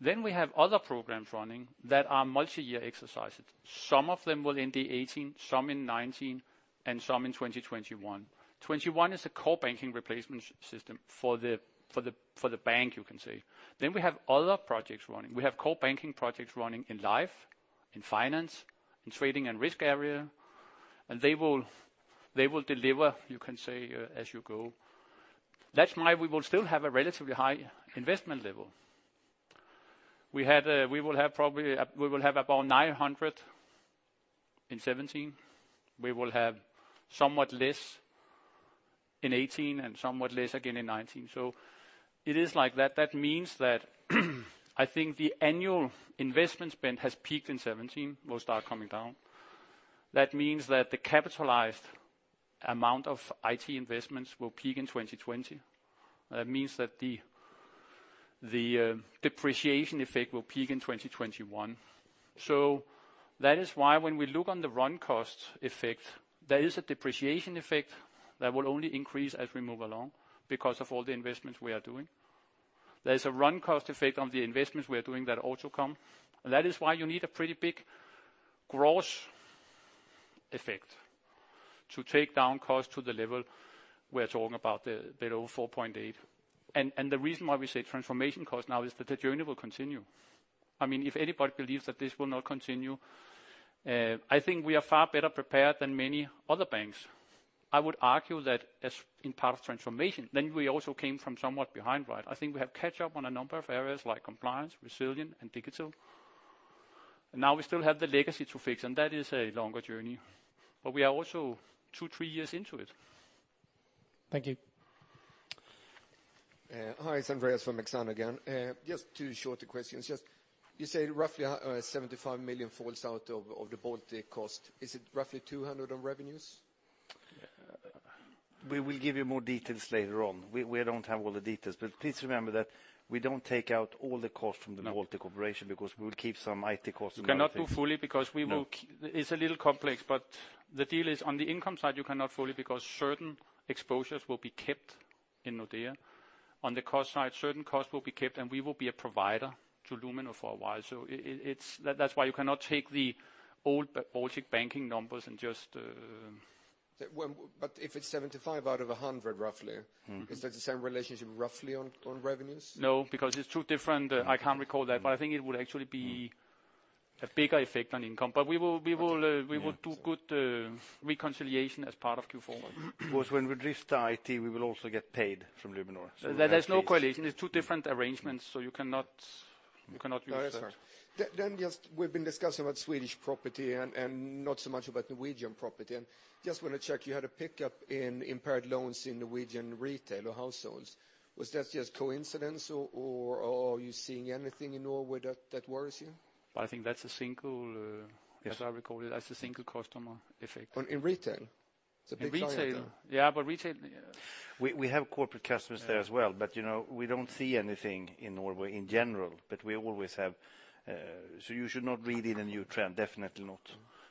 Yeah. We have other programs running that are multi-year exercises. Some of them will end in 2018, some in 2019, and some in 2021. 2021 is a core banking replacement system for the bank, you can say. We have other projects running. We have core banking projects running in life, in finance, in trading and risk area, and they will deliver, you can say, as you go. That is why we will still have a relatively high investment level. We will have about 900 million in 2017. We will have somewhat less in 2018 and somewhat less again in 2019. It is like that. That means that, I think the annual investment spend has peaked in 2017, will start coming down. That means that the capitalized amount of IT investments will peak in 2020. That means that the depreciation effect will peak in 2021. That is why when we look on the run cost effect, there is a depreciation effect that will only increase as we move along because of all the investments we are doing. There is a run cost effect on the investments we are doing that also come, and that is why you need a pretty big gross effect to take down cost to the level we're talking about, the below 4.8. The reason why we say transformation cost now is that the journey will continue. If anybody believes that this will not continue, I think we are far better prepared than many other banks. I would argue that as in part of transformation, we also came from somewhat behind, right? I think we have catch up on a number of areas like compliance, resilience, and digital. We still have the legacy to fix, that is a longer journey. We are also two, three years into it. Thank you. Hi, it's Andreas from Exane again. Just two shorter questions. You say roughly 75 million falls out of the Baltic cost. Is it roughly 200 on revenues? We will give you more details later on. We don't have all the details. Please remember that we don't take out all the cost from the Baltic Corporation- No because we'll keep some IT costs. We cannot do fully. No It's a little complex. The deal is on the income side, you cannot fully because certain exposures will be kept in Nordea. On the cost side, certain costs will be kept, and we will be a provider to Luminor for a while. That's why you cannot take the old Baltic banking numbers and just. If it's 75 out of 100, roughly. Is that the same relationship roughly on revenues? No, because it's two different. I can't recall that, but I think it would actually be a bigger effect on income. We will do good reconciliation as part of Q4. When we drift to IT, we will also get paid from Luminor. There's no correlation. There's two different arrangements, so you cannot use that. No, that's all right. Just, we've been discussing about Swedish property and not so much about Norwegian property, and just want to check, you had a pickup in impaired loans in Norwegian retail or households. Was that just coincidence or are you seeing anything in Norway that worries you? I think that's a single. Yes As I recall it, that's a single customer effect. In retail? It's a big client there. In retail. Yeah, retail. We have corporate customers there as well, we don't see anything in Norway in general, we always have. You should not read in a new trend. Definitely not.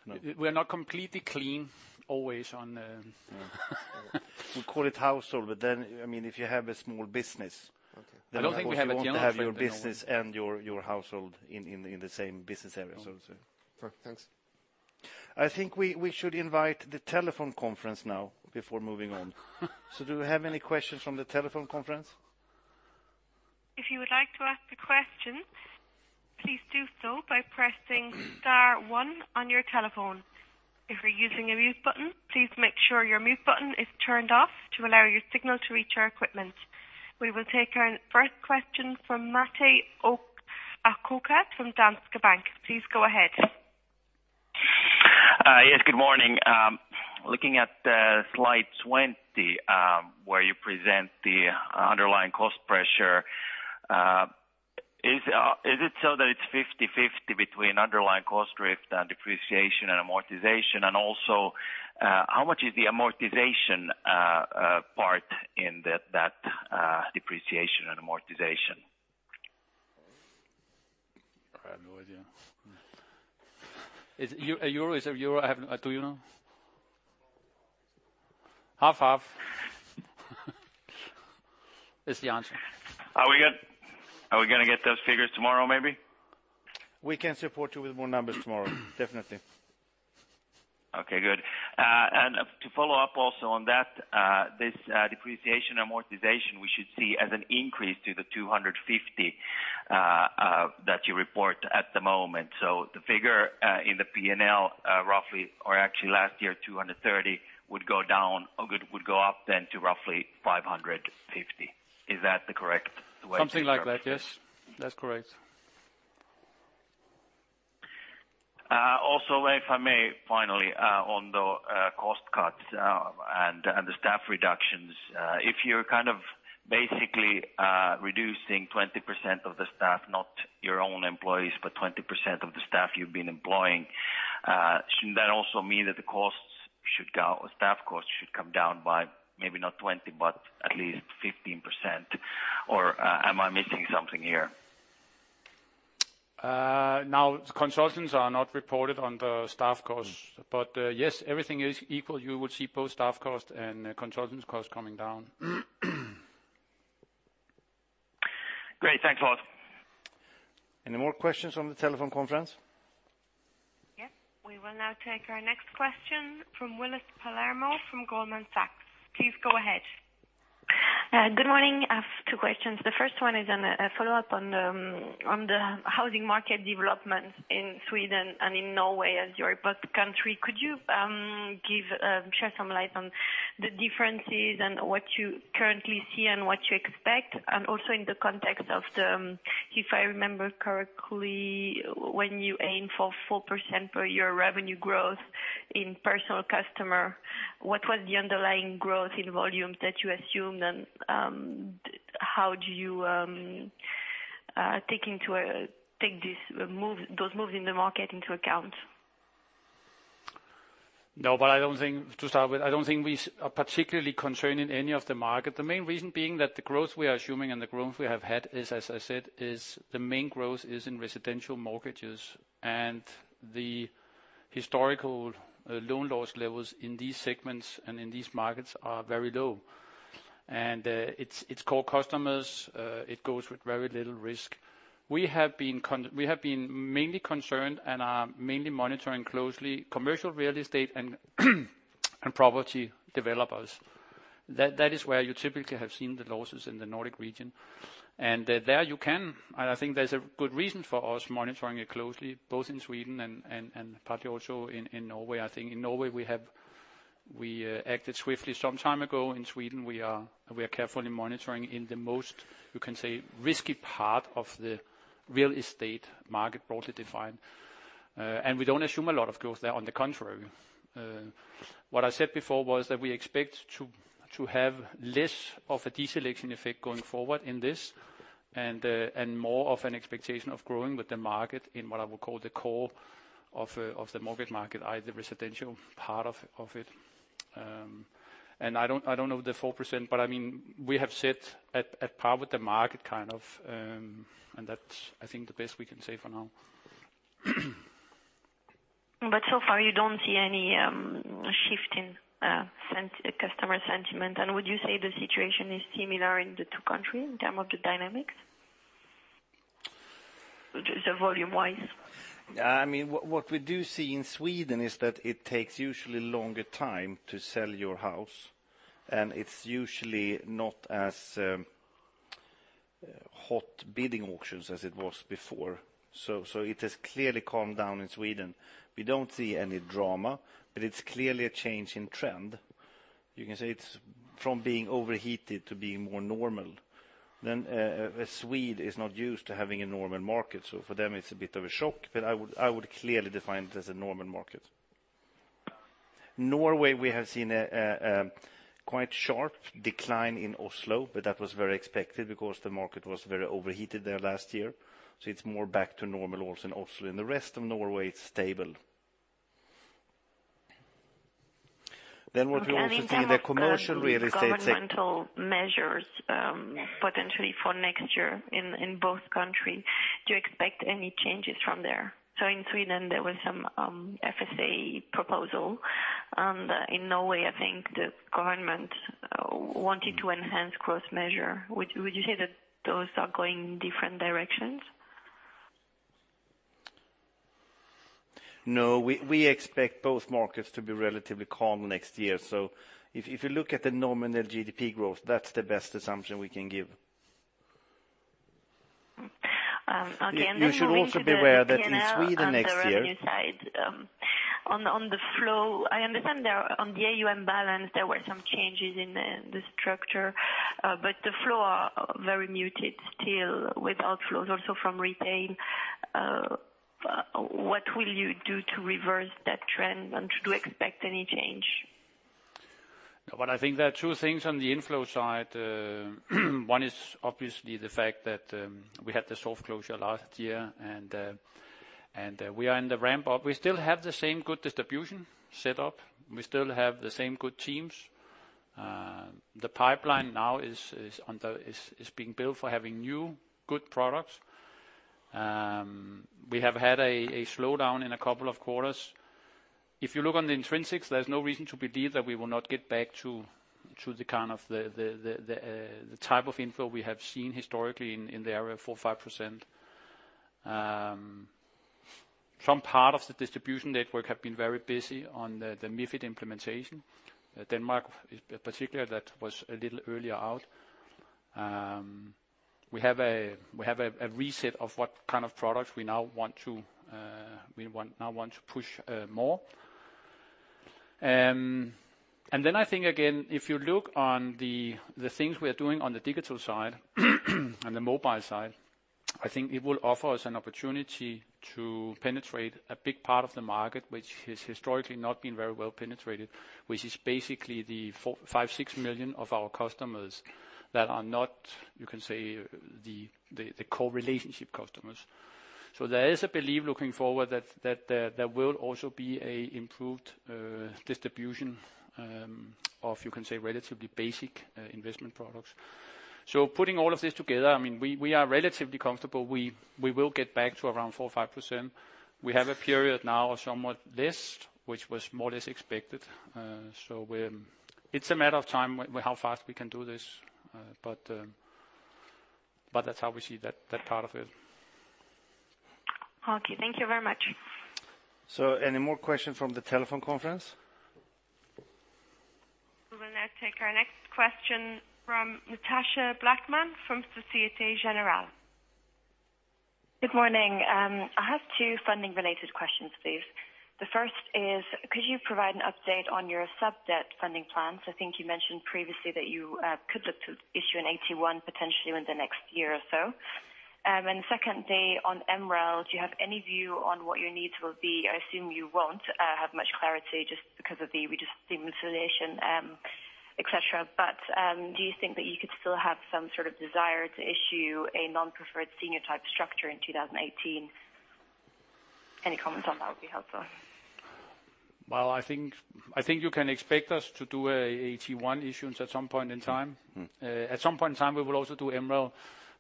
No. We're not completely clean always on the. We call it household, if you have a small business. Okay. I don't think we have a gentleman. You want to have your business and your household in the same business area. It's a Okay, thanks. I think we should invite the telephone conference now before moving on. Do we have any questions from the telephone conference? If you would like to ask a question, please do so by pressing star one on your telephone. If you're using a mute button, please make sure your mute button is turned off to allow your signal to reach our equipment. We will take our first question from Matti Ahokas from Danske Bank. Please go ahead. Yes, good morning. Looking at slide 20, where you present the underlying cost pressure, is it so that it's 50/50 between underlying cost drift and depreciation and amortization? Also, how much is the amortization part in that depreciation and amortization? I have no idea. Is it euro? Do you know? Half, half is the answer. Are we going to get those figures tomorrow, maybe? We can support you with more numbers tomorrow. Definitely. Okay, good. To follow up also on that, this depreciation amortization, we should see as an increase to the 250 that you report at the moment. The figure in the P&L roughly, or actually last year, 230 would go up to roughly 550. Is that the correct way to interpret it? Something like that, yes. That's correct. Also, if I may, finally, on the cost cuts and the staff reductions. If you're basically reducing 20% of the staff, not your own employees, but 20% of the staff you've been employing, shouldn't that also mean that the staff costs should come down by maybe not 20%, but at least 15%? Am I missing something here? Consultants are not reported on the staff costs. Yes, everything is equal. You will see both staff cost and consultants cost coming down. Great. Thanks a lot. Any more questions from the telephone conference? Yes. We will now take our next question from Willis Palermo from Goldman Sachs. Please go ahead. Good morning. I have two questions. The first one is on a follow-up on the housing market development in Sweden and in Norway as your both country. Could you share some light on the differences and what you currently see and what you expect? Also in the context of the, if I remember correctly, when you aim for 4% per year revenue growth in personal customer, what was the underlying growth in volume that you assumed and how do you take those moves in the market into account? To start with, I don't think we are particularly concerned in any of the market. The main reason being that the growth we are assuming and the growth we have had is, as I said, the main growth is in residential mortgages, and the historical loan loss levels in these segments and in these markets are very low. It's core customers. It goes with very little risk. We have been mainly concerned and are mainly monitoring closely commercial real estate and property developers. That is where you typically have seen the losses in the Nordic region. There you can, and I think there's a good reason for us monitoring it closely, both in Sweden and partly also in Norway. I think in Norway, we acted swiftly some time ago. In Sweden, we are carefully monitoring in the most, you can say, risky part of the real estate market, broadly defined. We don't assume a lot of growth there, on the contrary. What I said before was that we expect to have less of a deselection effect going forward in this, and more of an expectation of growing with the market in what I would call the core of the mortgage market, i.e. the residential part of it. I don't know the 4%, but we have set at par with the market, and that's, I think, the best we can say for now. So far, you don't see any shift in customer sentiment. Would you say the situation is similar in the two countries in term of the dynamics, volume-wise? What we do see in Sweden is that it takes usually longer time to sell your house, and it's usually not as hot bidding auctions as it was before. It has clearly calmed down in Sweden. We don't see any drama, but it's clearly a change in trend. You can say it's from being overheated to being more normal. A Swede is not used to having a normal market, so for them it's a bit of a shock, but I would clearly define it as a normal market. Norway, we have seen a quite sharp decline in Oslo, but that was very expected because the market was very overheated there last year. It's more back to normal also in Oslo. In the rest of Norway, it's stable. What we also see in the commercial real estate. In terms of the governmental measures potentially for next year in both countries, do you expect any changes from there? In Sweden, there was some FSA proposal, and in Norway, I think the government wanted to enhance growth measure. Would you say that those are going different directions? No, we expect both markets to be relatively calm next year. If you look at the nominal GDP growth, that's the best assumption we can give. Okay. Moving to the. You should also be aware that in Sweden next year. P&L on the revenue side. On the flow, I understand on the AUM balance, there were some changes in the structure, but the flow are very muted still with outflows also from retail. What will you do to reverse that trend, and do you expect any change? Well, I think there are two things on the inflow side. One is obviously the fact that we had the soft closure last year, and we are in the ramp-up. We still have the same good distribution set up. We still have the same good teams. The pipeline now is being built for having new good products. We have had a slowdown in a couple of quarters. If you look on the intrinsics, there is no reason to believe that we will not get back to the type of inflow we have seen historically in the area of 4%, 5%. Some part of the distribution network have been very busy on the MiFID implementation. Denmark in particular, that was a little earlier out. We have a reset of what kind of products we now want to push more. I think again, if you look on the things we are doing on the digital side and the mobile side, I think it will offer us an opportunity to penetrate a big part of the market, which has historically not been very well penetrated, which is basically the five, six million of our customers that are not the core relationship customers. There is a belief looking forward that there will also be improved distribution of relatively basic investment products. Putting all of this together, we are relatively comfortable. We will get back to around 4%, 5%. We have a period now of somewhat less, which was more or less expected. It is a matter of time how fast we can do this, but that is how we see that part of it. Okay. Thank you very much. Any more questions from the telephone conference? We will now take our next question from Natasha Blackman from Société Générale. Good morning. I have two funding related questions, please. The first is, could you provide an update on your sub-debt funding plans? I think you mentioned previously that you could look to issue an AT1 potentially within the next year or so. Secondly, on MREL, do you have any view on what your needs will be? I assume you won't have much clarity just because of the redistribution, et cetera. Do you think that you could still have some sort of desire to issue a non-preferred senior type structure in 2018? Any comments on that would be helpful. I think you can expect us to do an AT1 issuance at some point in time. At some point in time, we will also do MREL,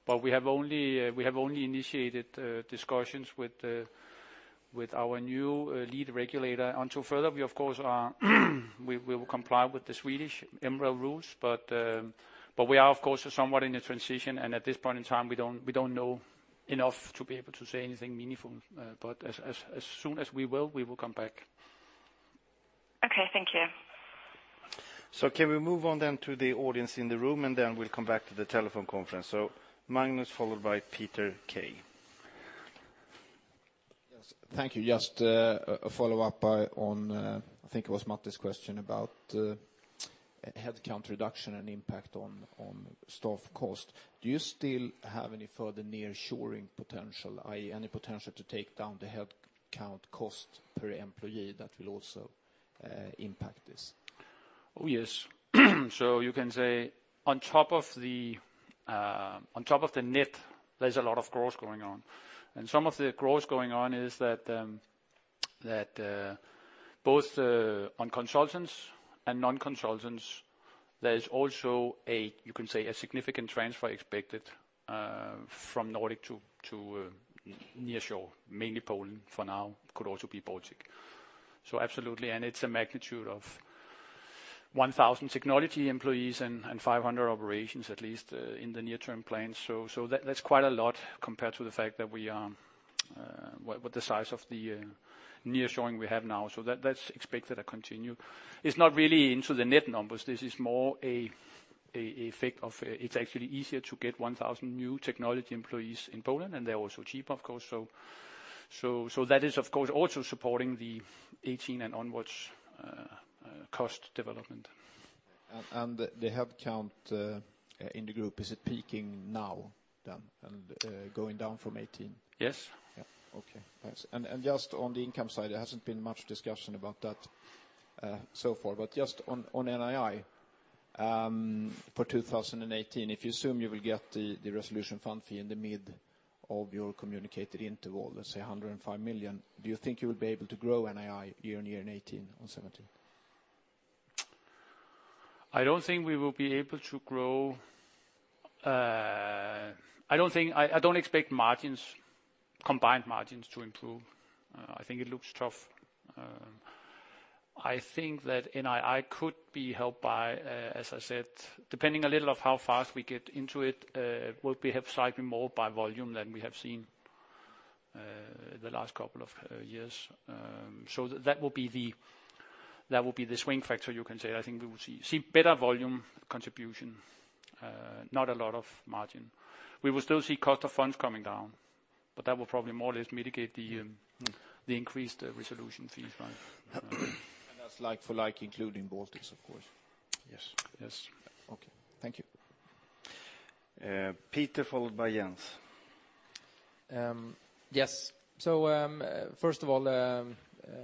but we have only initiated discussions with our new lead regulator. Until further, we of course will comply with the Swedish MREL rules. We are, of course, somewhat in a transition, and at this point in time, we don't know enough to be able to say anything meaningful. As soon as we will, we will come back. Okay. Thank you. Can we move on then to the audience in the room, we'll come back to the telephone conference. Magnus followed by Peter K. Yes. Thank you. Just a follow-up on, I think it was Matti's question about headcount reduction and impact on staff cost. Do you still have any further nearshoring potential, i.e., any potential to take down the headcount cost per employee that will also impact this? Yes. So you can say on top of the net, there is a lot of growth going on. Some of the growth going on is that both on consultants and non-consultants, there is also a significant transfer expected from Nordic to nearshore, mainly Poland for now. Could also be Baltic. Absolutely, and it is a magnitude of 1,000 technology employees and 500 operations at least in the near-term plans. That is quite a lot compared to the fact that with the size of the nearshoring we have now. That is expected to continue. It is not really into the net numbers. This is more an effect of it is actually easier to get 1,000 new technology employees in Poland, and they are also cheap, of course. That is, of course, also supporting the 2018 and onwards cost development. The headcount in the group, is it peaking now then and going down from 2018? Yes. Yes. Okay, thanks. Just on the income side, there has not been much discussion about that so far. Just on NII for 2018, if you assume you will get the resolution fund fee in the mid of your communicated interval, let us say 105 million, do you think you will be able to grow NII year-on-year in 2018 on 2017? I do not think we will be able to grow. I do not expect combined margins to improve. I think it looks tough. I think that NII could be helped by, as I said, depending a little of how fast we get into it, will be slightly more by volume than we have seen the last couple of years. That will be the swing factor, you can say. I think we will see better volume contribution, not a lot of margin. We will still see cost of funds coming down, but that will probably more or less mitigate the increased resolution fees. Right? That's like for like including Baltics, of course. Yes. Okay. Thank you. Peter, followed by Jens. Yes. First of all,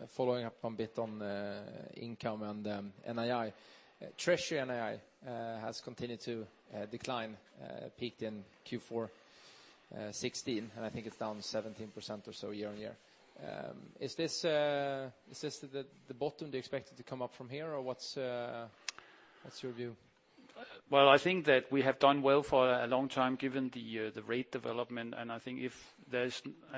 following up a bit on income and NII. Treasury NII has continued to decline, peaked in Q4 2016, and I think it's down 17% or so year-on-year. Is this the bottom, do you expect it to come up from here or what's your view? Well, I think that we have done well for a long time given the rate development. I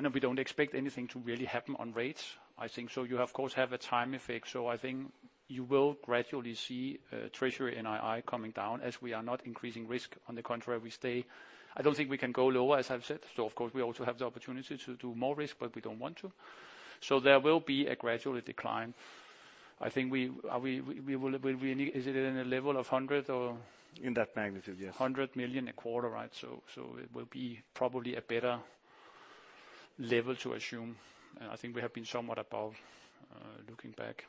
know we don't expect anything to really happen on rates. I think you of course have a time effect. I think you will gradually see treasury NII coming down as we are not increasing risk. On the contrary, we stay. I don't think we can go lower, as I've said. Of course we also have the opportunity to do more risk, but we don't want to. There will be a gradual decline. Is it in a level of 100 or? In that magnitude, yes. 100 million a quarter, right? It will be probably a better level to assume. I think we have been somewhat above, looking back.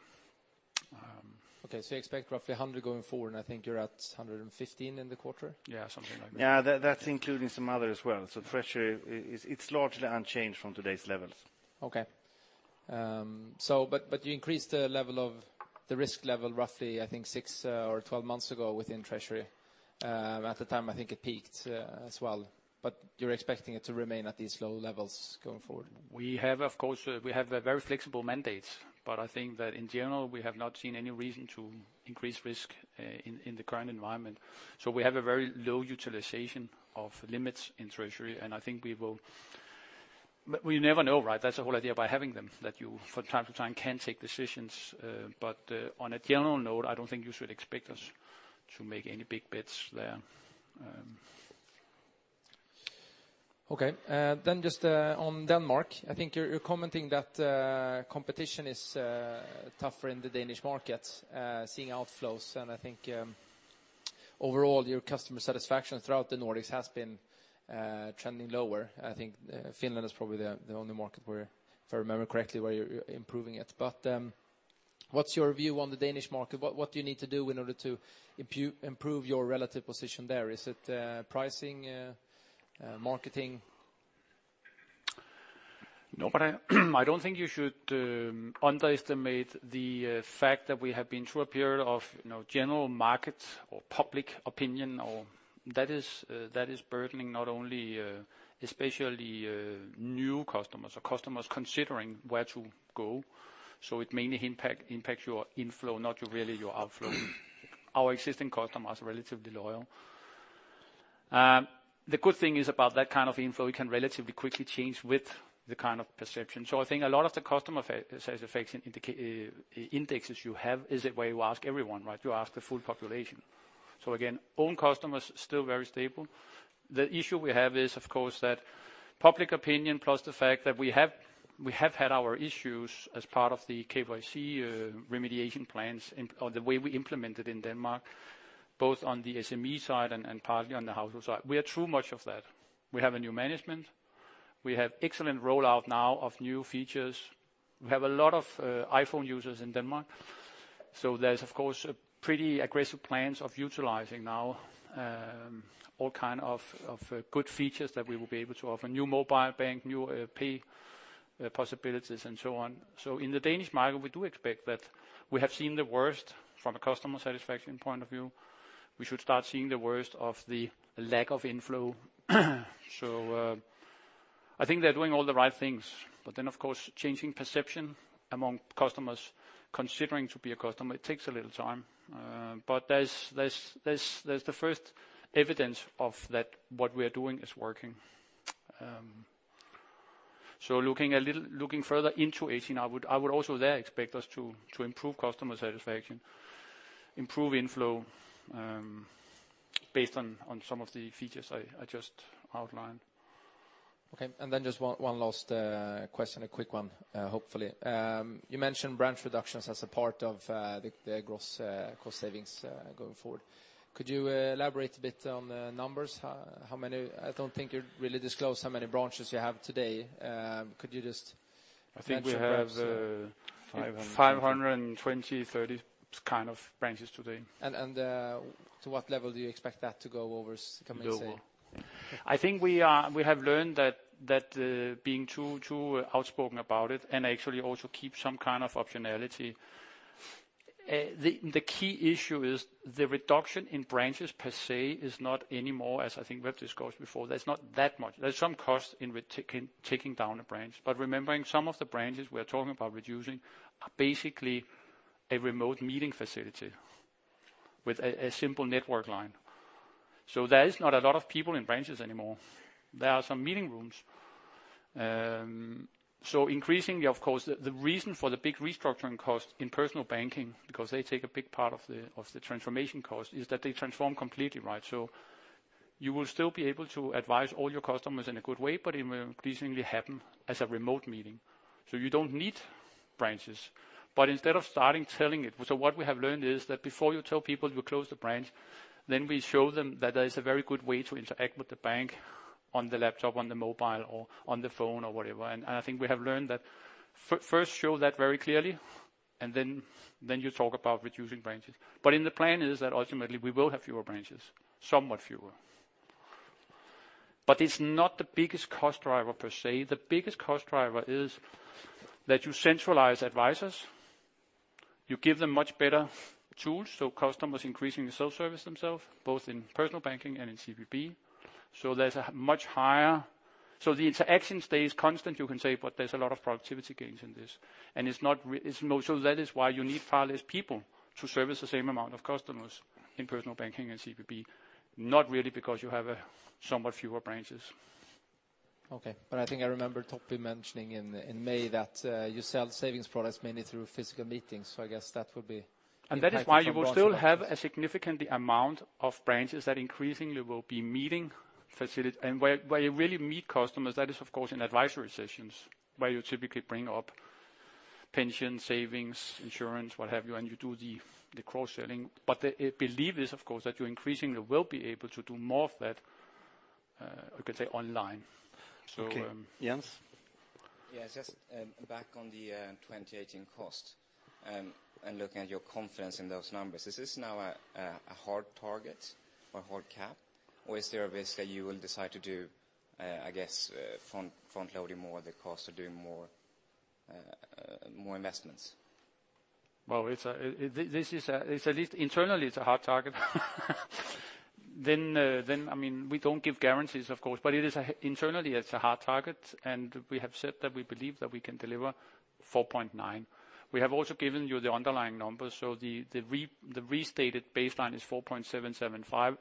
Okay. You expect roughly 100 going forward, and I think you're at 115 in the quarter? Yeah, something like that. Yeah. That's including some other as well. treasury, it's largely unchanged from today's levels. Okay. You increased the risk level roughly, I think six or 12 months ago within treasury. At the time, I think it peaked as well. You're expecting it to remain at these low levels going forward? We have a very flexible mandate, I think that in general, we have not seen any reason to increase risk in the current environment. We have a very low utilization of limits in treasury, and I think we will. We never know, right? That's the whole idea by having them, that you from time to time can take decisions. On a general note, I don't think you should expect us to make any big bets there. Okay. Just on Denmark, I think you're commenting that competition is tougher in the Danish market, seeing outflows and I think overall, your customer satisfaction throughout the Nordics has been trending lower. I think Finland is probably the only market where, if I remember correctly, where you're improving it. What's your view on the Danish market? What do you need to do in order to improve your relative position there? Is it pricing, marketing? I don't think you should underestimate the fact that we have been through a period of general market or public opinion, that is burdening not only especially new customers or customers considering where to go. It mainly impacts your inflow, not really your outflow. Our existing customers are relatively loyal. The good thing is about that kind of inflow, it can relatively quickly change with the kind of perception. I think a lot of the customer satisfaction indexes you have is where you ask everyone, right? You ask the full population. Again, own customers still very stable. The issue we have is, of course, that public opinion plus the fact that we have had our issues as part of the KYC remediation plans and the way we implement it in Denmark, both on the SME side and partly on the household side. We are through much of that. We have a new management. We have excellent rollout now of new features. We have a lot of iPhone users in Denmark. There's, of course, pretty aggressive plans of utilizing now all kind of good features that we will be able to offer. New mobile bank, new pay possibilities and so on. In the Danish market, we do expect that we have seen the worst from a customer satisfaction point of view. We should start seeing the worst of the lack of inflow. I think they're doing all the right things. Of course, changing perception among customers considering to be a customer, it takes a little time. There's the first evidence of that what we are doing is working. Looking further into 2018, I would also there expect us to improve customer satisfaction, improve inflow based on some of the features I just outlined. Okay. Just one last question, a quick one hopefully. You mentioned branch reductions as a part of the gross cost savings going forward. Could you elaborate a bit on the numbers? I don't think you really disclosed how many branches you have today. Could you just mention- I think we have. 500 520, 30 kind of branches today. To what level do you expect that to go over, can you say? I think we have learned that being too outspoken about it and actually also keep some kind of optionality. The key issue is the reduction in branches per se is not anymore, as I think we have discussed before. There's not that much. There's some cost in taking down a branch. Remembering some of the branches we're talking about reducing are basically a remote meeting facility with a simple network line. There is not a lot of people in branches anymore. There are some meeting rooms. Increasingly, of course, the reason for the big restructuring cost in personal banking, because they take a big part of the transformation cost, is that they transform completely. You will still be able to advise all your customers in a good way, but it will increasingly happen as a remote meeting. You don't need branches. Instead of starting telling it, what we have learned is that before you tell people you close the branch, we show them that there is a very good way to interact with the bank on the laptop, on the mobile, or on the phone or whatever. I think we have learned that first show that very clearly and then you talk about reducing branches. In the plan is that ultimately we will have fewer branches, somewhat fewer. It's not the biggest cost driver per se. The biggest cost driver is that you centralize advisors. You give them much better tools so customers increasingly self-service themselves, both in personal banking and in CBB. There's a much higher. So the interaction stays constant you can say, but there's a lot of productivity gains in this. It's not. So that is why you need far less people to service the same amount of customers in personal banking and CBB. Not really because you have somewhat fewer branches. Okay. I think I remember Topi mentioning in May that you sell savings products mainly through physical meetings. I guess that would be impacted from branch reductions. That is why you will still have a significant amount of branches that increasingly will be meeting facility. Where you really meet customers, that is of course in advisory sessions where you typically bring up pension savings, insurance, what have you, and you do the cross-selling. The belief is, of course, that you increasingly will be able to do more of that, you could say, online. Okay. Jens? Yes. Just back on the 2018 cost and looking at your confidence in those numbers. Is this now a hard target or a hard cap? Or is there a risk that you will decide to do front loading more the cost of doing more investments? Internally, it's a hard target. We don't give guarantees, of course, but internally it's a hard target and we have said that we believe that we can deliver 4.9. We have also given you the underlying numbers. The restated baseline is 4.775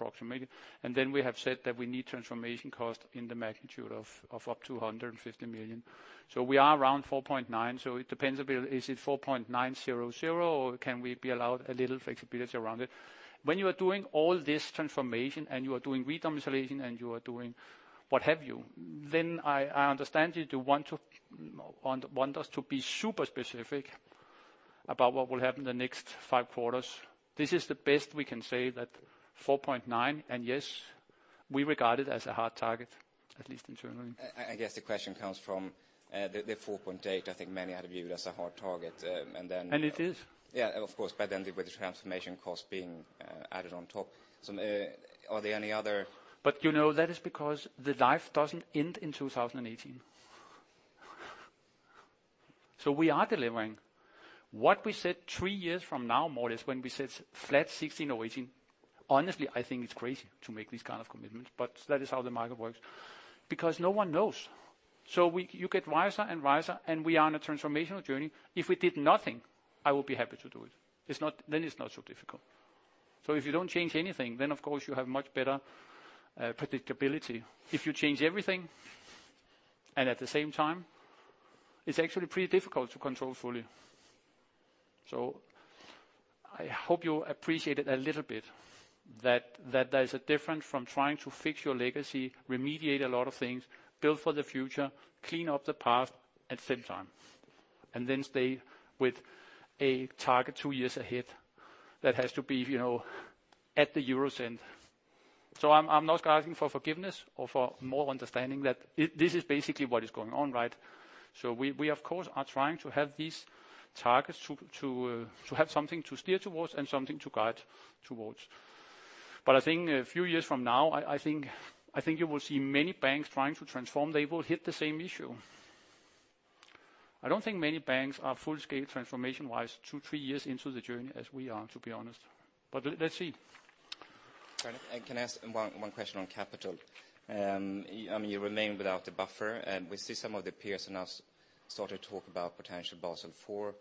approximately. We have said that we need transformation cost in the magnitude of up to 150 million. We are around 4.9, so it depends a bit. Is it 4.900 or can we be allowed a little flexibility around it? When you are doing all this transformation and you are doing re-domiciliation and you are doing what have you, I understand you want us to be super specific about what will happen the next five quarters. This is the best we can say that 4.9. Yes, we regard it as a hard target, at least internally. I guess the question comes from the 4.8 I think many had viewed as a hard target. It is. Yeah, of course. With the transformation cost being added on top. Are there any other- That is because the life doesn't end in 2018. We are delivering. What we said three years from now, more or less when we said flat 2016, 2018. Honestly, I think it's crazy to make these kind of commitments, but that is how the market works. No one knows. You get wiser and wiser, we are on a transformational journey. If we did nothing, I would be happy to do it. It's not so difficult. If you don't change anything, of course you have much better predictability. If you change everything at the same time, it's actually pretty difficult to control fully. I hope you appreciate it a little bit that there's a difference from trying to fix your legacy, remediate a lot of things, build for the future, clean up the past at the same time. Stay with a target two years ahead that has to be at the euro cent. I'm not asking for forgiveness or for more understanding that this is basically what is going on. We, of course, are trying to have these targets to have something to steer towards and something to guide towards. I think a few years from now, I think you will see many banks trying to transform. They will hit the same issue. I don't think many banks are full scale transformation-wise two, three years into the journey as we are, to be honest. Let's see. Can I ask one question on capital? You remain without a buffer, and we see some of the peers now start to talk about potential Basel IV.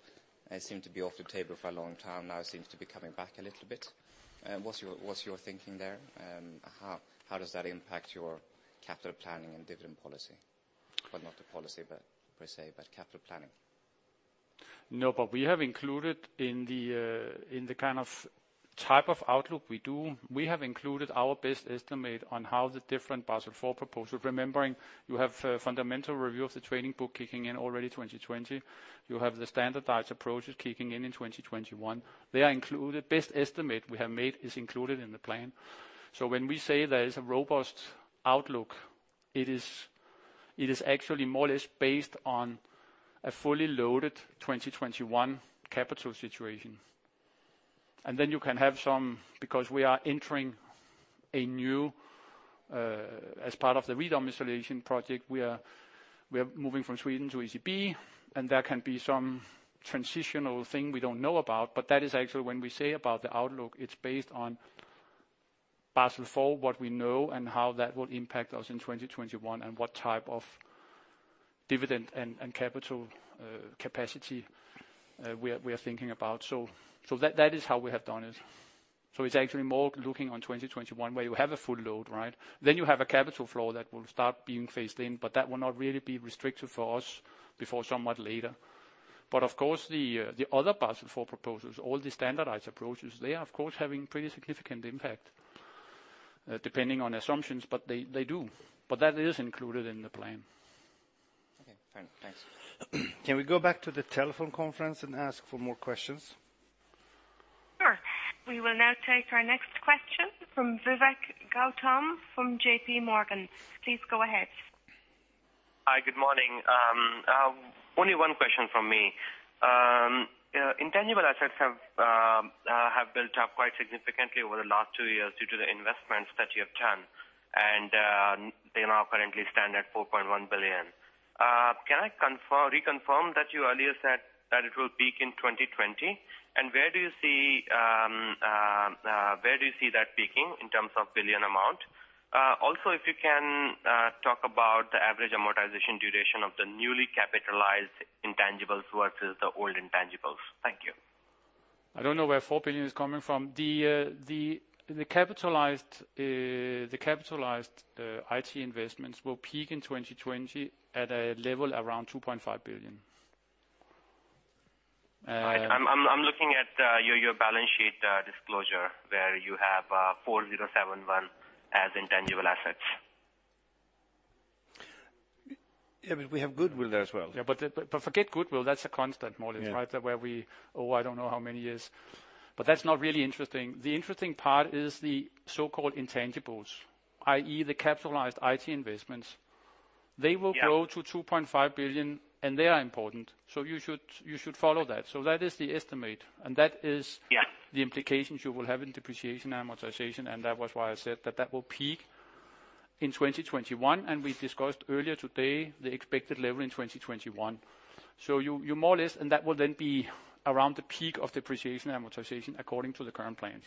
It seemed to be off the table for a long time, now it seems to be coming back a little bit. What's your thinking there? How does that impact your capital planning and dividend policy? Not the policy per se, but capital planning. We have included in the type of outlook we do, we have included our best estimate on how the different Basel IV proposal. Remembering you have a fundamental review of the trading book kicking in already 2020. You have the standardized approaches kicking in in 2021. They are included. Best estimate we have made is included in the plan. When we say there is a robust outlook, it is actually more or less based on a fully loaded 2021 capital situation. You can have some, because we are entering a new, as part of the re-domiciliation project, we are moving from Sweden to ECB, and there can be some transitional thing we don't know about. That is actually when we say about the outlook, it's based on Basel IV, what we know and how that will impact us in 2021, and what type of dividend and capital capacity we are thinking about. That is how we have done it. It's actually more looking on 2021, where you have a full load. You have a capital flow that will start being phased in, but that will not really be restrictive for us before somewhat later. Of course, the other Basel IV proposals, all the standardized approaches, they are of course having pretty significant impact, depending on assumptions, but they do. That is included in the plan. Okay, fair enough. Thanks. Can we go back to the telephone conference and ask for more questions? Sure. We will now take our next question from Vivek Gautam from JP Morgan. Please go ahead. Hi, good morning. Only one question from me. Intangible assets have built up quite significantly over the last two years due to the investments that you have done, and they now currently stand at 4.1 billion. Can I reconfirm that you earlier said that it will peak in 2020? Where do you see that peaking in terms of billion amount? Also, if you can talk about the average amortization duration of the newly capitalized intangibles versus the old intangibles. Thank you. I don't know where 4 billion is coming from. The capitalized IT investments will peak in 2020 at a level around 2.5 billion. All right. I'm looking at your balance sheet disclosure where you have 4,071 as intangible assets. Yeah, we have goodwill there as well. Yeah, forget goodwill. That's a constant, Morten, right? Yeah. Where we, I don't know how many years. That's not really interesting. The interesting part is the so-called intangibles, i.e. the capitalized IT investments. Yeah. They will grow to 2.5 billion, and they are important. You should follow that. That is the estimate. Yeah the implications you will have in depreciation and amortization, and that was why I said that will peak in 2021, and we discussed earlier today the expected level in 2021. You more or less, and that will then be around the peak of depreciation and amortization according to the current plans.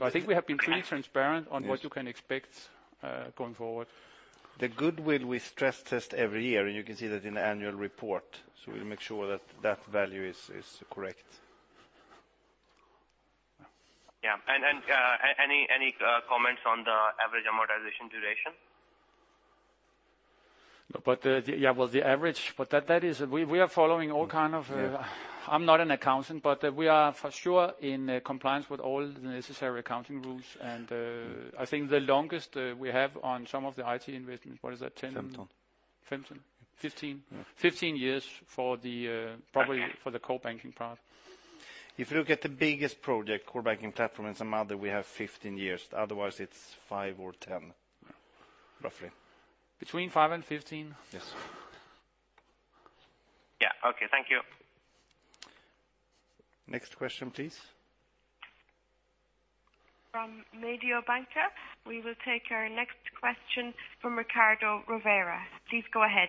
I think we have been pretty transparent on what you can expect going forward. The goodwill we stress test every year, and you can see that in the annual report. We'll make sure that that value is correct. Yeah. Any comments on the average amortization duration? Yeah, well, the average. We are following. I'm not an accountant, but we are for sure in compliance with all the necessary accounting rules. I think the longest we have on some of the IT investments, what is that, 10? 17. 17? 15. Yeah. 15 years probably for the core banking part. If you look at the biggest project, core banking platform and some other, we have 15 years. Otherwise, it's five or 10 roughly. Between five and 15. Yes. Yeah. Okay, thank you. Next question, please. From Mediobanca. We will take our next question from Riccardo Rovere. Please go ahead.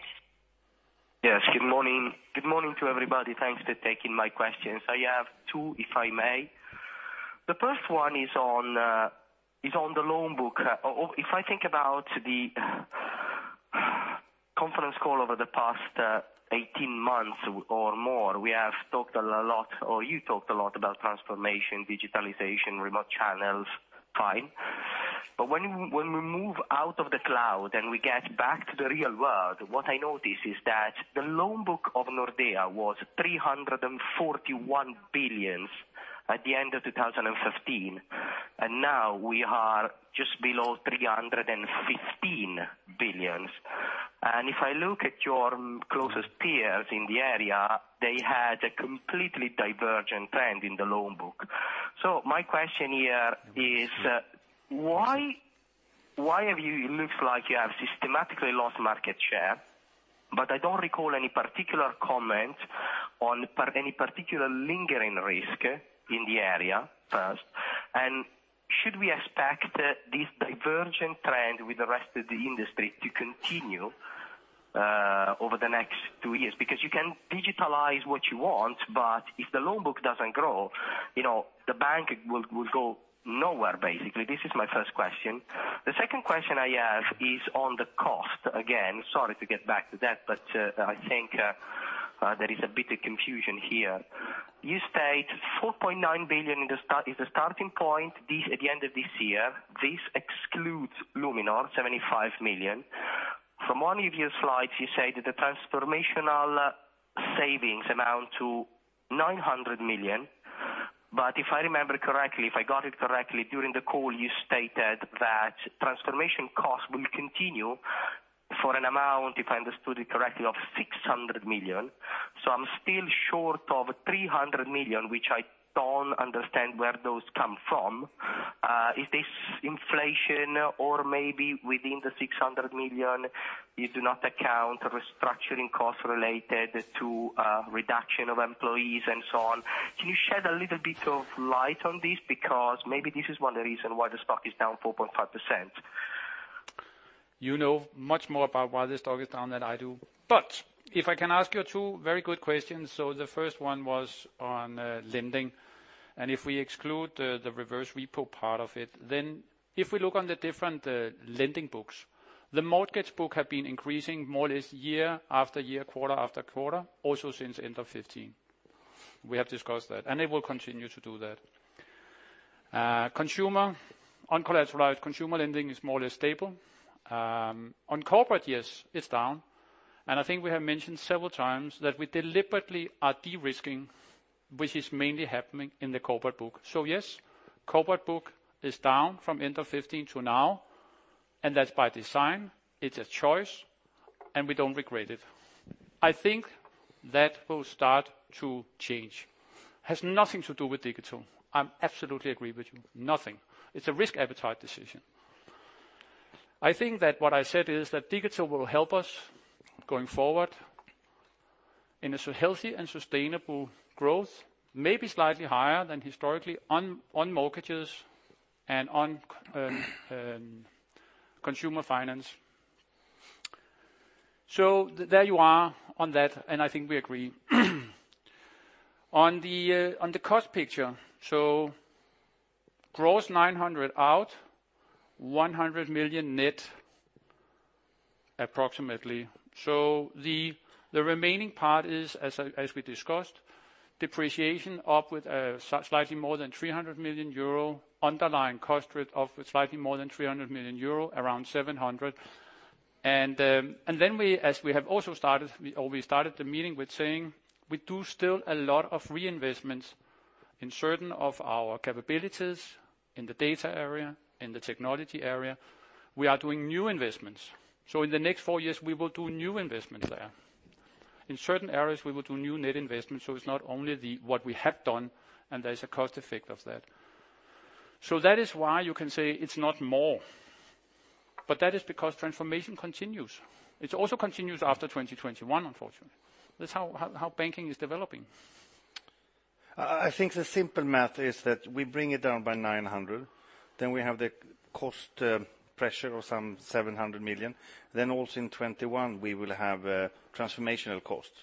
Yes, good morning. Good morning to everybody. Thanks for taking my questions. I have two, if I may. The first one is on the loan book. If I think about the conference call over the past 18 months or more, we have talked a lot, or you talked a lot about transformation, digitalization, remote channels. Fine. When we move out of the cloud, we get back to the real world, what I notice is that the loan book of Nordea was 341 billion at the end of 2015, and now we are just below 315 billion. If I look at your closest peers in the area, they had a completely divergent trend in the loan book. My question here is why have you, it looks like you have systematically lost market share, but I don't recall any particular comment on any particular lingering risk in the area, first. Should we expect this divergent trend with the rest of the industry to continue over the next two years? You can digitalize what you want, but if the loan book doesn't grow, the bank will go nowhere, basically. This is my first question. The second question I have is on the cost. Again, sorry to get back to that, but I think there is a bit of confusion here. You state 4.9 billion is the starting point at the end of this year. This excludes Luminor, 75 million. From one of your slides, you say that the transformational savings amount to 900 million, but if I remember correctly, if I got it correctly during the call, you stated that transformation costs will continue for an amount, if I understood it correctly, of 600 million. I'm still short of 300 million, which I don't understand where those come from. Is this inflation or maybe within the 600 million you do not account restructuring costs related to reduction of employees and so on? Can you shed a little bit of light on this because maybe this is one of the reasons why the stock is down 4.5%? You know much more about why this stock is down than I do. If I can ask you two very good questions. The first one was on lending, if we exclude the reverse repo part of it, then if we look on the different lending books, the mortgage book have been increasing more or less year-after-year, quarter-after-quarter, also since end of 2015. We have discussed that, it will continue to do that. Uncollateralized consumer lending is more or less stable. On corporate, yes, it's down, I think we have mentioned several times that we deliberately are de-risking, which is mainly happening in the corporate book. Yes, corporate book is down from end of 2015 to now, that's by design. It's a choice, we don't regret it. I think that will start to change. Has nothing to do with digital. I absolutely agree with you. Nothing. It's a risk appetite decision. I think that what I said is that digital will help us going forward in a healthy and sustainable growth, maybe slightly higher than historically on mortgages and on consumer finance. There you are on that, and I think we agree. On the cost picture. Gross 900 out, 100 million net approximately. The remaining part is, as we discussed, depreciation up with slightly more than 300 million euro, underlying cost rate of slightly more than 300 million euro, around 700. Then we, as we started the meeting with saying, we do still a lot of reinvestments in certain of our capabilities in the data area, in the technology area. We are doing new investments. In the next four years, we will do new investments there. In certain areas, we will do new net investments, it's not only what we have done, and there's a cost effect of that. That is why you can say it's not more, but that is because transformation continues. It also continues after 2021, unfortunately. That's how banking is developing. I think the simple math is that we bring it down by 900, then we have the cost pressure of some 700 million. Also in 2021, we will have transformational costs.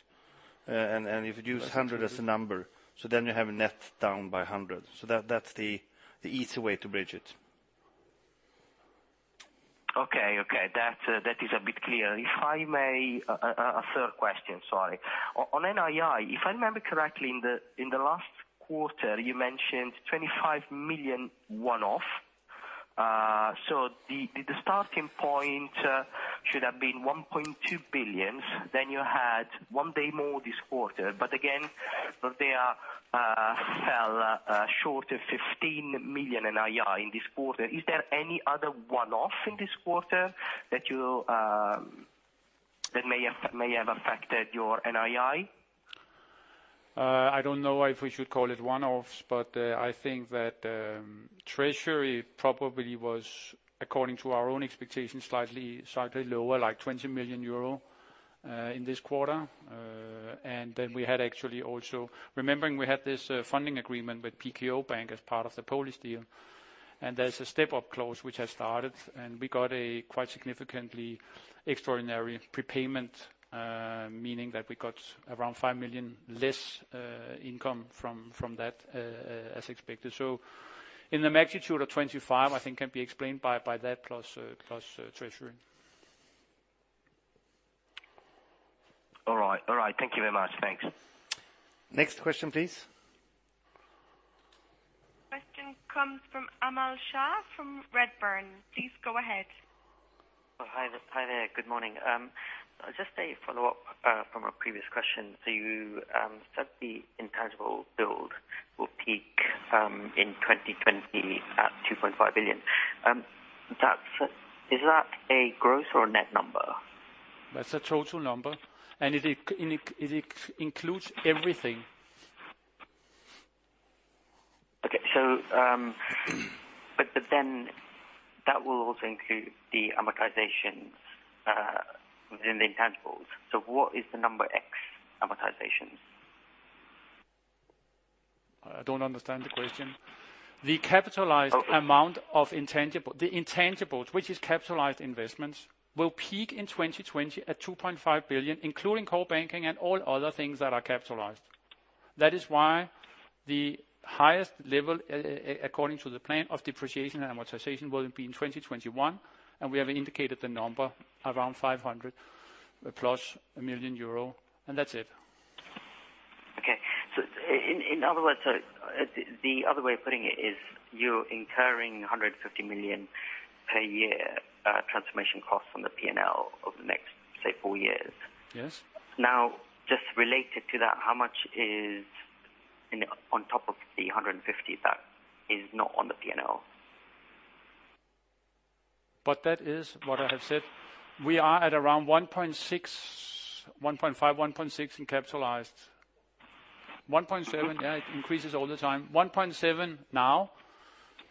If you use 100 as a number, then you have a net down by 100. That's the easy way to bridge it. Okay. That is a bit clearer. If I may, a third question, sorry. On NII, if I remember correctly, in the last quarter, you mentioned 25 million one-off. The starting point should have been 1.2 billion. You had one day more this quarter, but again, Nordea fell short of 15 million NII in this quarter. Is there any other one-off in this quarter that may have affected your NII? I don't know if we should call it one-offs, but I think that treasury probably was, according to our own expectations, slightly lower, like 20 million euro in this quarter. We had actually also, remembering we had this funding agreement with PKO Bank as part of the Polish deal, and there's a step-up clause which has started, and we got a quite significantly extraordinary prepayment, meaning that we got around 5 million less income from that, as expected. So in the magnitude of 25, I think can be explained by that plus treasury. All right. Thank you very much. Thanks. Next question, please. Question comes from Amal Shah from Redburn. Please go ahead. Hi there. Good morning. Just a follow-up from a previous question. You said the intangible build will peak in 2020 at 2.5 billion. Is that a gross or a net number? That's a total number, and it includes everything. Okay. That will also include the amortizations within the intangibles. What is the number X amortizations? I don't understand the question. The capitalized amount of the intangibles, which is capitalized investments, will peak in 2020 at 2.5 billion, including core banking and all other things that are capitalized. That is why the highest level, according to the plan of depreciation and amortization, will be in 2021. We have indicated the number around 500+ million euro. That's it. In other words, the other way of putting it is you're incurring 150 million per year transformation cost on the P&L over the next, say, 4 years. Yes. Just related to that, how much is on top of the 150 that is not on the P&L? That is what I have said. We are at around 1.5, 1.6 in capitalized 1.7, yeah, it increases all the time. 1.7 now,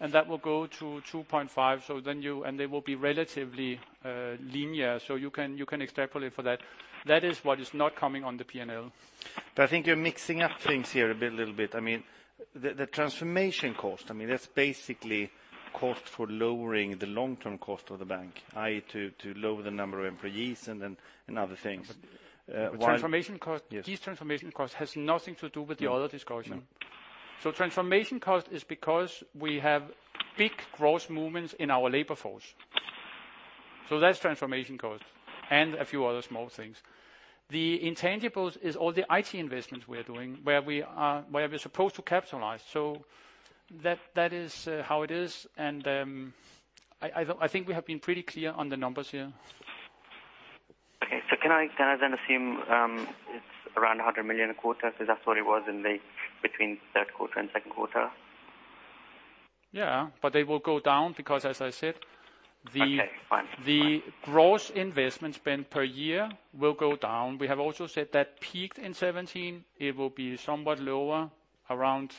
and that will go to 2.5, and they will be relatively linear, so you can extrapolate for that. That is what is not coming on the P&L. I think you're mixing up things here a little bit. The transformation cost, that's basically cost for lowering the long-term cost of the bank, i.e., to lower the number of employees and then other things. Transformation cost- Yes. These transformation cost has nothing to do with the other discussion. No. Transformation cost is because we have big gross movements in our labor force. That's transformation cost, and a few other small things. The intangibles is all the IT investments we're doing, where we're supposed to capitalize. That is how it is, and I think we have been pretty clear on the numbers here. Okay. Can I then assume it's around 100 million a quarter, since that's what it was between third quarter and second quarter? Yeah. They will go down because, as I said, Okay, fine The gross investment spend per year will go down. We have also said that peaked in 2017. It will be somewhat lower, around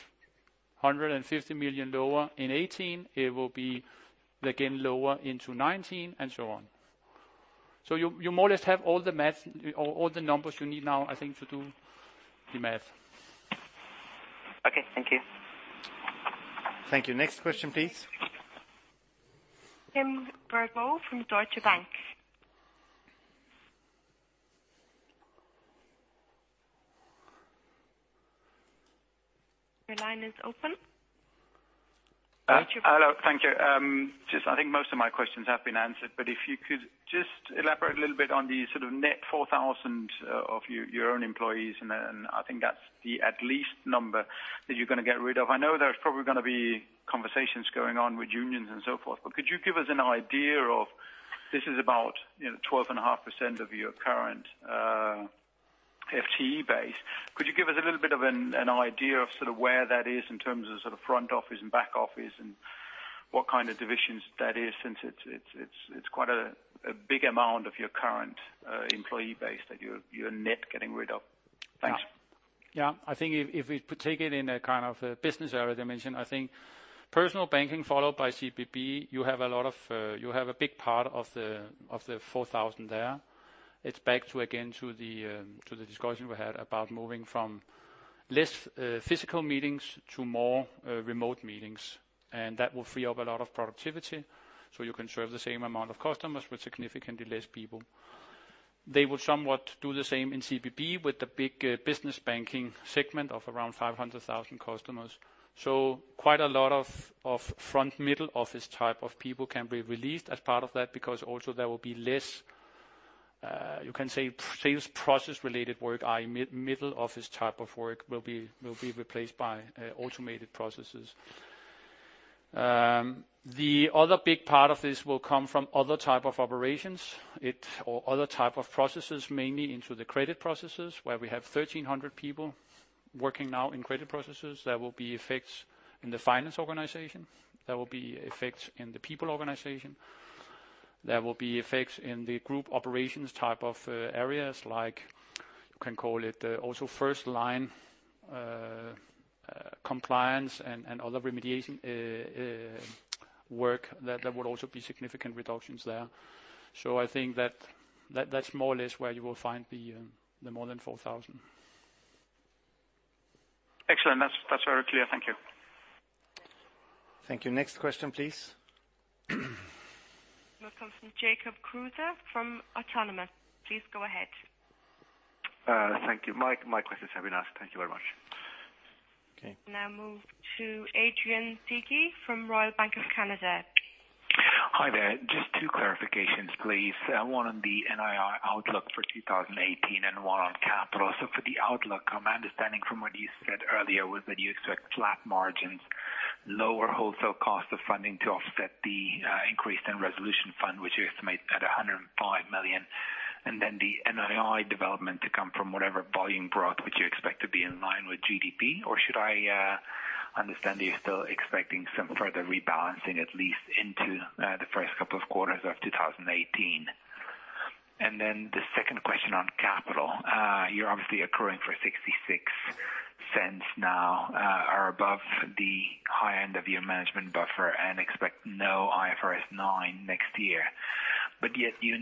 150 million lower in 2018. It will be, again, lower into 2019, and so on. You more or less have all the numbers you need now, I think, to do the math. Okay. Thank you. Thank you. Next question, please. Tim Barrow from Deutsche Bank. Your line is open. Hello. Thank you. I think most of my questions have been answered, if you could just elaborate a little bit on the sort of net 4,000 of your own employees, then I think that's the at least number that you're going to get rid of. I know there's probably going to be conversations going on with unions and so forth. Could you give us an idea of, this is about 12.5% of your current FTE base. Could you give us a little bit of an idea of sort of where that is in terms of sort of front office and back office, and what kind of divisions that is since it's quite a big amount of your current employee base that you're net getting rid of? Thanks. I think if we take it in a kind of a business area dimension, I think personal banking followed by CBB, you have a big part of the 4,000 there. It's back to, again, to the discussion we had about moving from less physical meetings to more remote meetings. That will free up a lot of productivity so you can serve the same amount of customers with significantly less people. They will somewhat do the same in CBB with the big business banking segment of around 500,000 customers. Quite a lot of front middle office type of people can be released as part of that because also there will be less, you can say sales process related work, i.e. middle office type of work will be replaced by automated processes. The other big part of this will come from other type of operations, or other type of processes, mainly into the credit processes, where we have 1,300 people working now in credit processes. There will be effects in the finance organization. There will be effects in the people organization. There will be effects in the group operations type of areas like, you can call it also first line compliance and other remediation work. There will also be significant reductions there. I think that's more or less where you will find the more than 4,000. Excellent. That's very clear. Thank you. Thank you. Next question, please. Will come from Jacob Kruse from Autonomous. Please go ahead. Thank you. My questions have been asked. Thank you very much. Okay. Now move to Adrian Diki from Royal Bank of Canada. Hi there. Just two clarifications, please. One on the NII outlook for 2018 and one on capital. For the outlook, my understanding from what you said earlier was that you expect flat margins, lower wholesale cost of funding to offset the increase in resolution fund, which you estimate at 105 million. The NII development to come from whatever volume growth which you expect to be in line with GDP, or should I understand that you're still expecting some further rebalancing, at least into the first couple of quarters of 2018? The second question on capital. You're obviously accruing for 0.66 now, are above the high end of your management buffer and expect no IFRS 9 next year. Yet you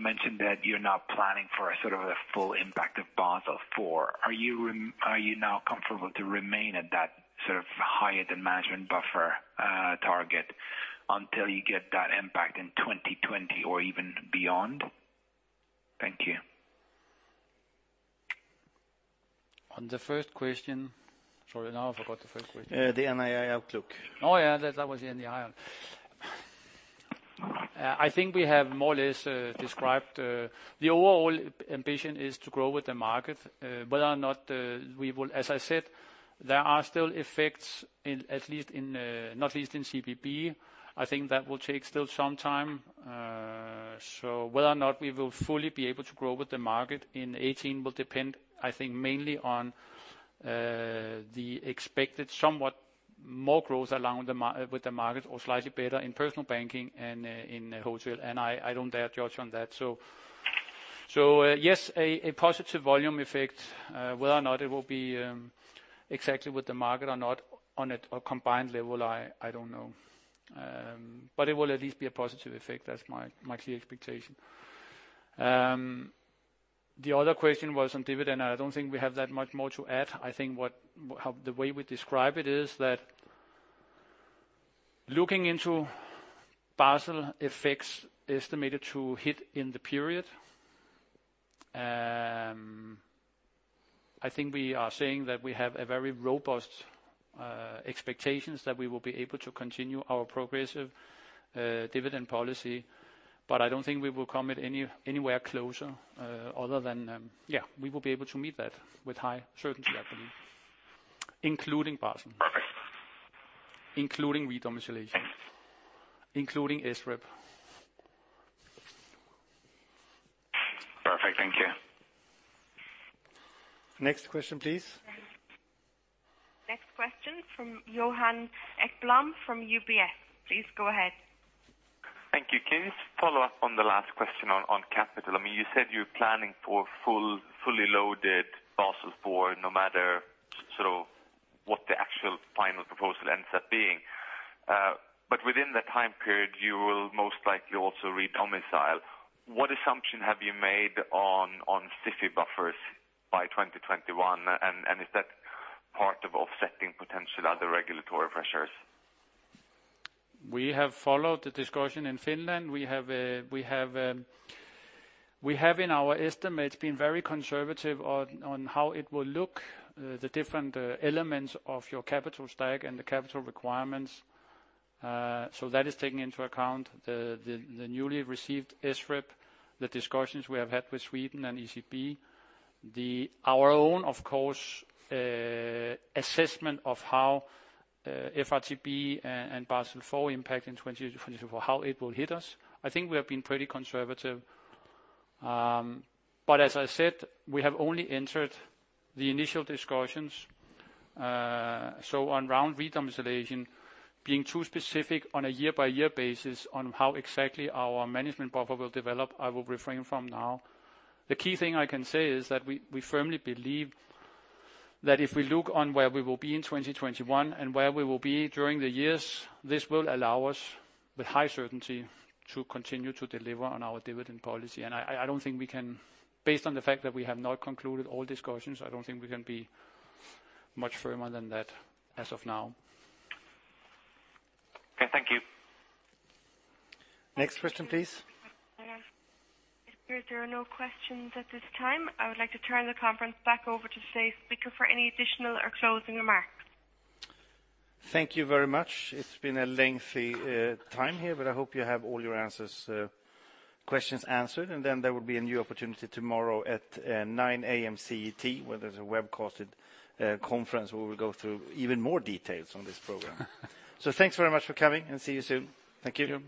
mentioned that you're not planning for a sort of a full impact of Basel IV. Are you now comfortable to remain at that sort of higher than management buffer target until you get that impact in 2020 or even beyond? Thank you. On the first question. Sorry, now I forgot the first question. The NII outlook. Oh, yeah. That was the NII. I think we have more or less described the overall ambition is to grow with the market. Whether or not we will, as I said, there are still effects, not least in CBB. I think that will take still some time. Whether or not we will fully be able to grow with the market in 2018 will depend, I think, mainly on the expected somewhat more growth along with the market or slightly better in personal banking and in wholesale. I don't dare judge on that. Yes, a positive volume effect, whether or not it will be exactly what the market or not on a combined level, I don't know. But it will at least be a positive effect. That's my clear expectation. The other question was on dividend. I don't think we have that much more to add. I think the way we describe it is that looking into Basel effects estimated to hit in the period, I think we are saying that we have a very robust expectations that we will be able to continue our progressive dividend policy. I don't think we will commit anywhere closer, other than we will be able to meet that with high certainty, I believe. Including Basel. Perfect. Including re-domiciliation, including SREP. Perfect. Thank you. Next question, please. Next question from Johan Ekblom from UBS. Please go ahead. Thank you. Can you just follow up on the last question on capital? You said you're planning for fully loaded Basel IV, no matter what the actual final proposal ends up being. Within the time period, you will most likely also re-domicile. What assumption have you made on SIFI buffers by 2021, and is that part of offsetting potential other regulatory pressures? We have followed the discussion in Finland. We have in our estimates been very conservative on how it will look, the different elements of your capital stack and the capital requirements. That is taking into account the newly received SREP, the discussions we have had with Sweden and ECB. Our own, of course, assessment of how FRTB and Basel IV impact in 2024, how it will hit us. I think we have been pretty conservative. As I said, we have only entered the initial discussions. Around re-domiciliation, being too specific on a year-by-year basis on how exactly our management buffer will develop, I will refrain from now. The key thing I can say is that I firmly believe that if we look on where we will be in 2021 and where we will be during the years, this will allow us, with high certainty, to continue to deliver on our dividend policy. Based on the fact that we have not concluded all discussions, I don't think we can be much firmer than that as of now. Okay, thank you. Next question, please. It appears there are no questions at this time. I would like to turn the conference back over to Rodney for any additional or closing remarks. Thank you very much. It's been a lengthy time here, but I hope you have all your questions answered, and then there will be a new opportunity tomorrow at 9:00 a.m. CET where there's a webcasted conference where we'll go through even more details on this program. Thanks very much for coming, and see you soon. Thank you.